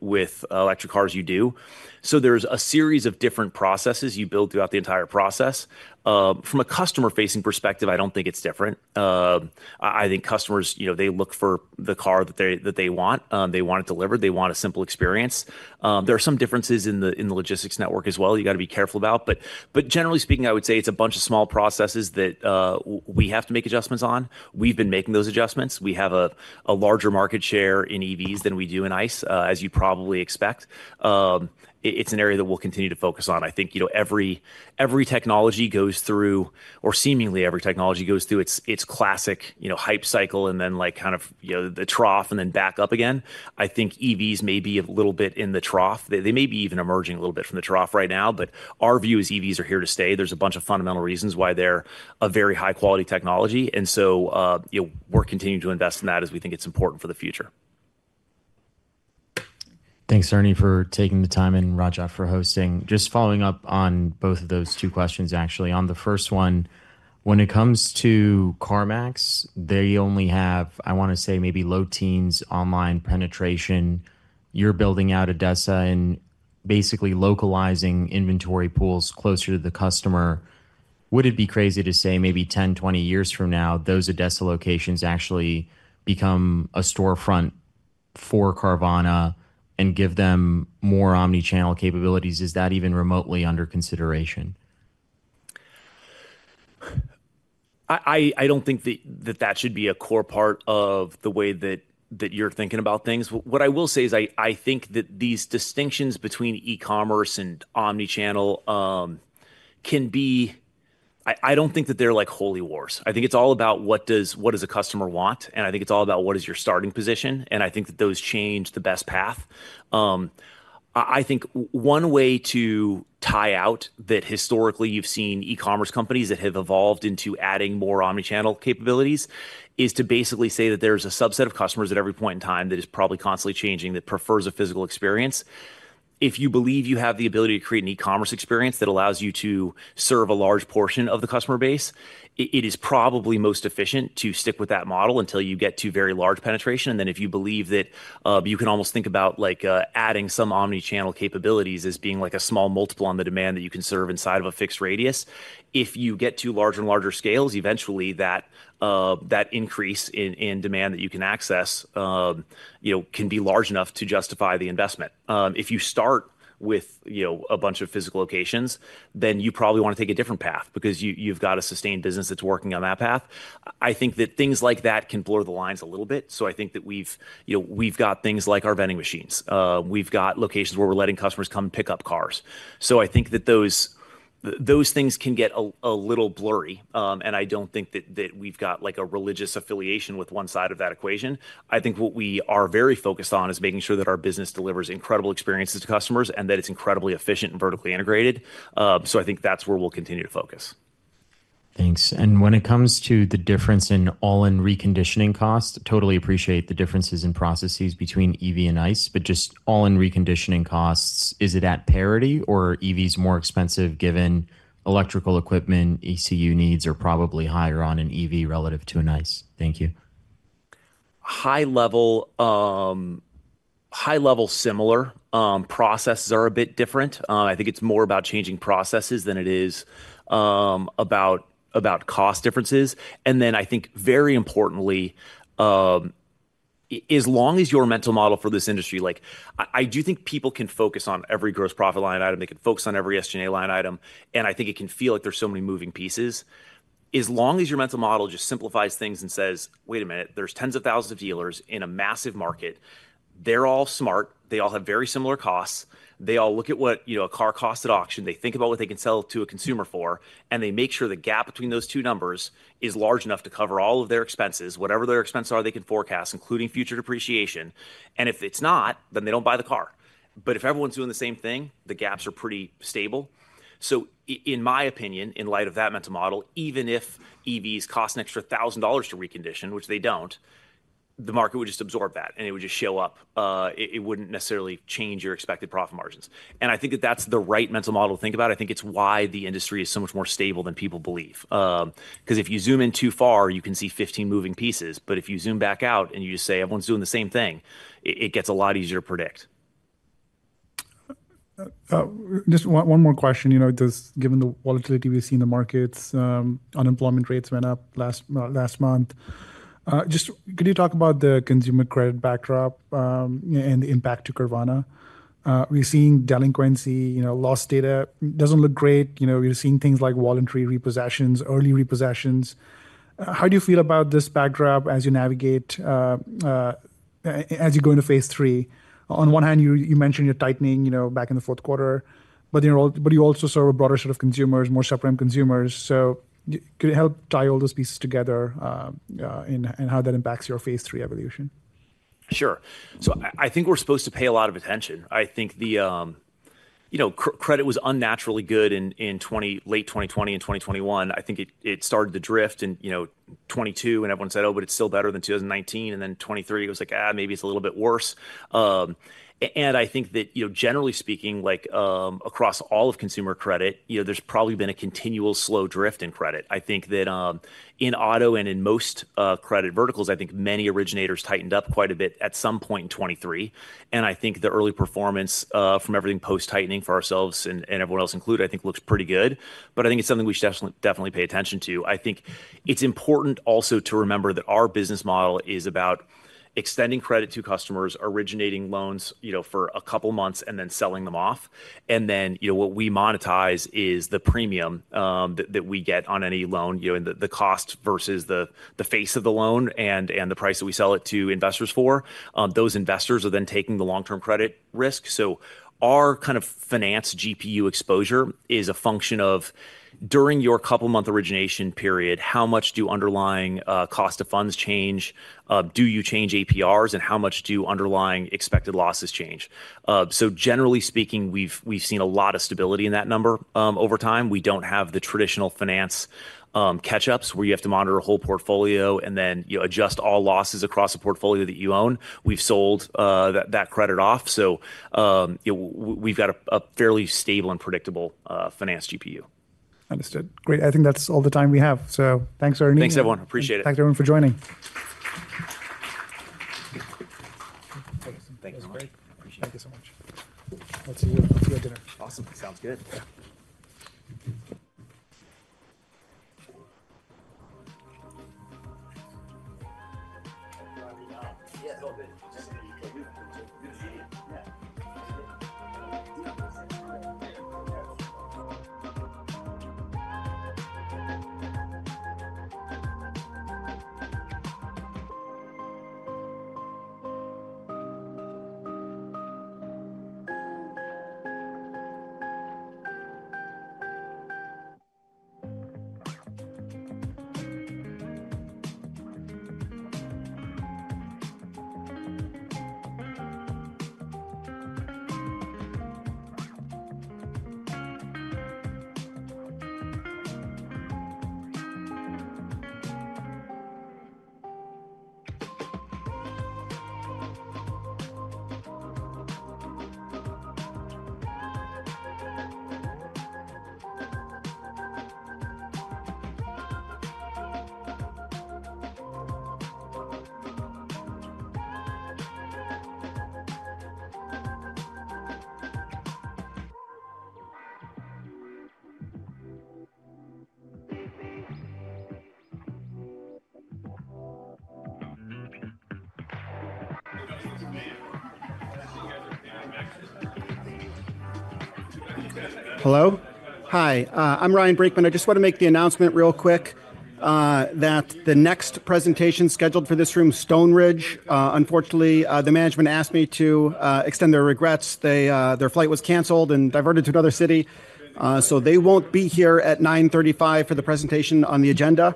With electric cars, you do. So there's a series of different processes you build throughout the entire process. From a customer-facing perspective, I don't think it's different. I think customers, you know, they look for the car that they want. They want it delivered, they want a simple experience. There are some differences in the, in the logistics network as well, you got to be careful about, but, but generally speaking, I would say it's a bunch of small processes that we have to make adjustments on. We've been making those adjustments. We have a larger market share in EVs than we do in ICE, as you probably expect. It's an area that we'll continue to focus on. I think, you know, every technology goes through, or seemingly every technology goes through its classic, you know, hype cycle and then, like, kind of, you know, the trough and then back up again. I think EVs may be a little bit in the trough. They may be even emerging a little bit from the trough right now, but our view is EVs are here to stay. There's a bunch of fundamental reasons why they're a very high-quality technology, and so, you know, we're continuing to invest in that as we think it's important for the future. Thanks, Ernie, for taking the time, and Rajat for hosting. Just following up on both of those two questions, actually. On the first one, when it comes to CarMax, they only have, I want to say, maybe low teens online penetration. You're building out ADESA and basically localizing inventory pools closer to the customer. Would it be crazy to say maybe 10, 20 years from now, those ADESA locations actually become a storefront for Carvana and give them more omnichannel capabilities? Is that even remotely under consideration? I don't think that should be a core part of the way that you're thinking about things. What I will say is I think that these distinctions between e-commerce and omnichannel can be... I don't think that they're like holy wars. I think it's all about what does a customer want, and I think it's all about what is your starting position, and I think that those change the best path. I think one way to tie out that historically you've seen e-commerce companies that have evolved into adding more omnichannel capabilities is to basically say that there's a subset of customers at every point in time that is probably constantly changing, that prefers a physical experience.... If you believe you have the ability to create an e-commerce experience that allows you to serve a large portion of the customer base, it is probably most efficient to stick with that model until you get to very large penetration. And then if you believe that, you can almost think about like adding some omni-channel capabilities as being like a small multiple on the demand that you can serve inside of a fixed radius. If you get to larger and larger scales, eventually that increase in demand that you can access, you know, can be large enough to justify the investment. If you start with, you know, a bunch of physical locations, then you probably want to take a different path because you, you've got a sustained business that's working on that path. I think that things like that can blur the lines a little bit. So I think that we've, you know, we've got things like our vending machines. We've got locations where we're letting customers come pick up cars. So I think that those, those things can get a, a little blurry. And I don't think that, that we've got like a religious affiliation with one side of that equation. I think what we are very focused on is making sure that our business delivers incredible experiences to customers and that it's incredibly efficient and vertically integrated. So I think that's where we'll continue to focus. Thanks. And when it comes to the difference in all-in reconditioning costs, totally appreciate the differences in processes between EV and ICE, but just all-in reconditioning costs, is it at parity or are EVs more expensive given electrical equipment, ECU needs are probably higher on an EV relative to an ICE? Thank you. High level, high level similar, processes are a bit different. I think it's more about changing processes than it is, about, about cost differences. And then I think very importantly, as long as your mental model for this industry, like I, I do think people can focus on every gross profit line item. They can focus on every SG&A line item, and I think it can feel like there's so many moving pieces. As long as your mental model just simplifies things and says, "Wait a minute, there's tens of thousands of dealers in a massive market. They're all smart. They all have very similar costs. They all look at what, you know, a car costs at auction. They think about what they can sell to a consumer for, and they make sure the gap between those two numbers is large enough to cover all of their expenses, whatever their expenses are, they can forecast, including future depreciation. And if it's not, then they don't buy the car. But if everyone's doing the same thing, the gaps are pretty stable. So in my opinion, in light of that mental model, even if EVs cost an extra $1,000 to recondition, which they don't, the market would just absorb that, and it would just show up. It wouldn't necessarily change your expected profit margins. And I think that that's the right mental model to think about. I think it's why the industry is so much more stable than people believe. 'Cause if you zoom in too far, you can see 15 moving pieces, but if you zoom back out and you just say everyone's doing the same thing, it gets a lot easier to predict. Just one more question. You know, just given the volatility we've seen in the markets, unemployment rates went up last month. Just could you talk about the consumer credit backdrop, and the impact to Carvana? We've seen delinquency, you know, loss data doesn't look great. You know, we've seen things like voluntary repossessions, early repossessions. How do you feel about this backdrop as you navigate as you go into phase three? On one hand, you mentioned you're tightening, you know, back in the fourth quarter, but, you know, but you also serve a broader set of consumers, more subprime consumers. So could you help tie all those pieces together, and how that impacts your phase three evolution? Sure. So I think we're supposed to pay a lot of attention. I think the, you know, credit was unnaturally good in late 2020 and 2021. I think it started to drift in, you know, 2022, and everyone said, "Oh, but it's still better than 2019." And then 2023, it was like, "Ah, maybe it's a little bit worse." And I think that, you know, generally speaking, like, across all of consumer credit, you know, there's probably been a continual slow drift in credit. I think that in auto and in most credit verticals, I think many originators tightened up quite a bit at some point in 2023. And I think the early performance from everything post-tightening for ourselves and everyone else included, I think looks pretty good. But I think it's something we should definitely, definitely pay attention to. I think it's important also to remember that our business model is about extending credit to customers, originating loans, you know, for a couple of months, and then selling them off. And then, you know, what we monetize is the premium, that, that we get on any loan, you know, and the, the cost versus the, the face of the loan and, and the price that we sell it to investors for. Those investors are then taking the long-term credit risk. So our kind of finance GPU exposure is a function of, during your couple month origination period, how much do underlying, cost of funds change? Do you change APRs, and how much do underlying expected losses change? So generally speaking, we've, we've seen a lot of stability in that number, over time. We don't have the traditional finance, catch-ups, where you have to monitor a whole portfolio and then, you know, adjust all losses across the portfolio that you own. We've sold, that, that credit off, so, you know, w-we've got a, a fairly stable and predictable, finance GPU. Understood. Great. I think that's all the time we have. So thanks very much. Thanks, everyone. Appreciate it. Thank you everyone for joining. Thank you. That was great. Appreciate it. Thank you so much. I'll see you, I'll see you at dinner. Awesome. Sounds good. Hello? Hi, I'm Ryan Brinkman. I just want to make the announcement real quick that the next presentation scheduled for this room, Stoneridge, unfortunately, the management asked me to extend their regrets. They... their flight was canceled and diverted to another city, so they won't be here at 9:35 A.M. for the presentation on the agenda.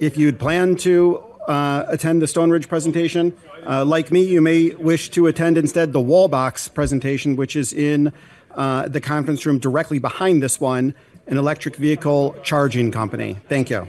If you'd planned to attend the Stoneridge presentation, like me, you may wish to attend instead the Wallbox presentation, which is in the conference room directly behind this one, an electric vehicle charging company. Thank you.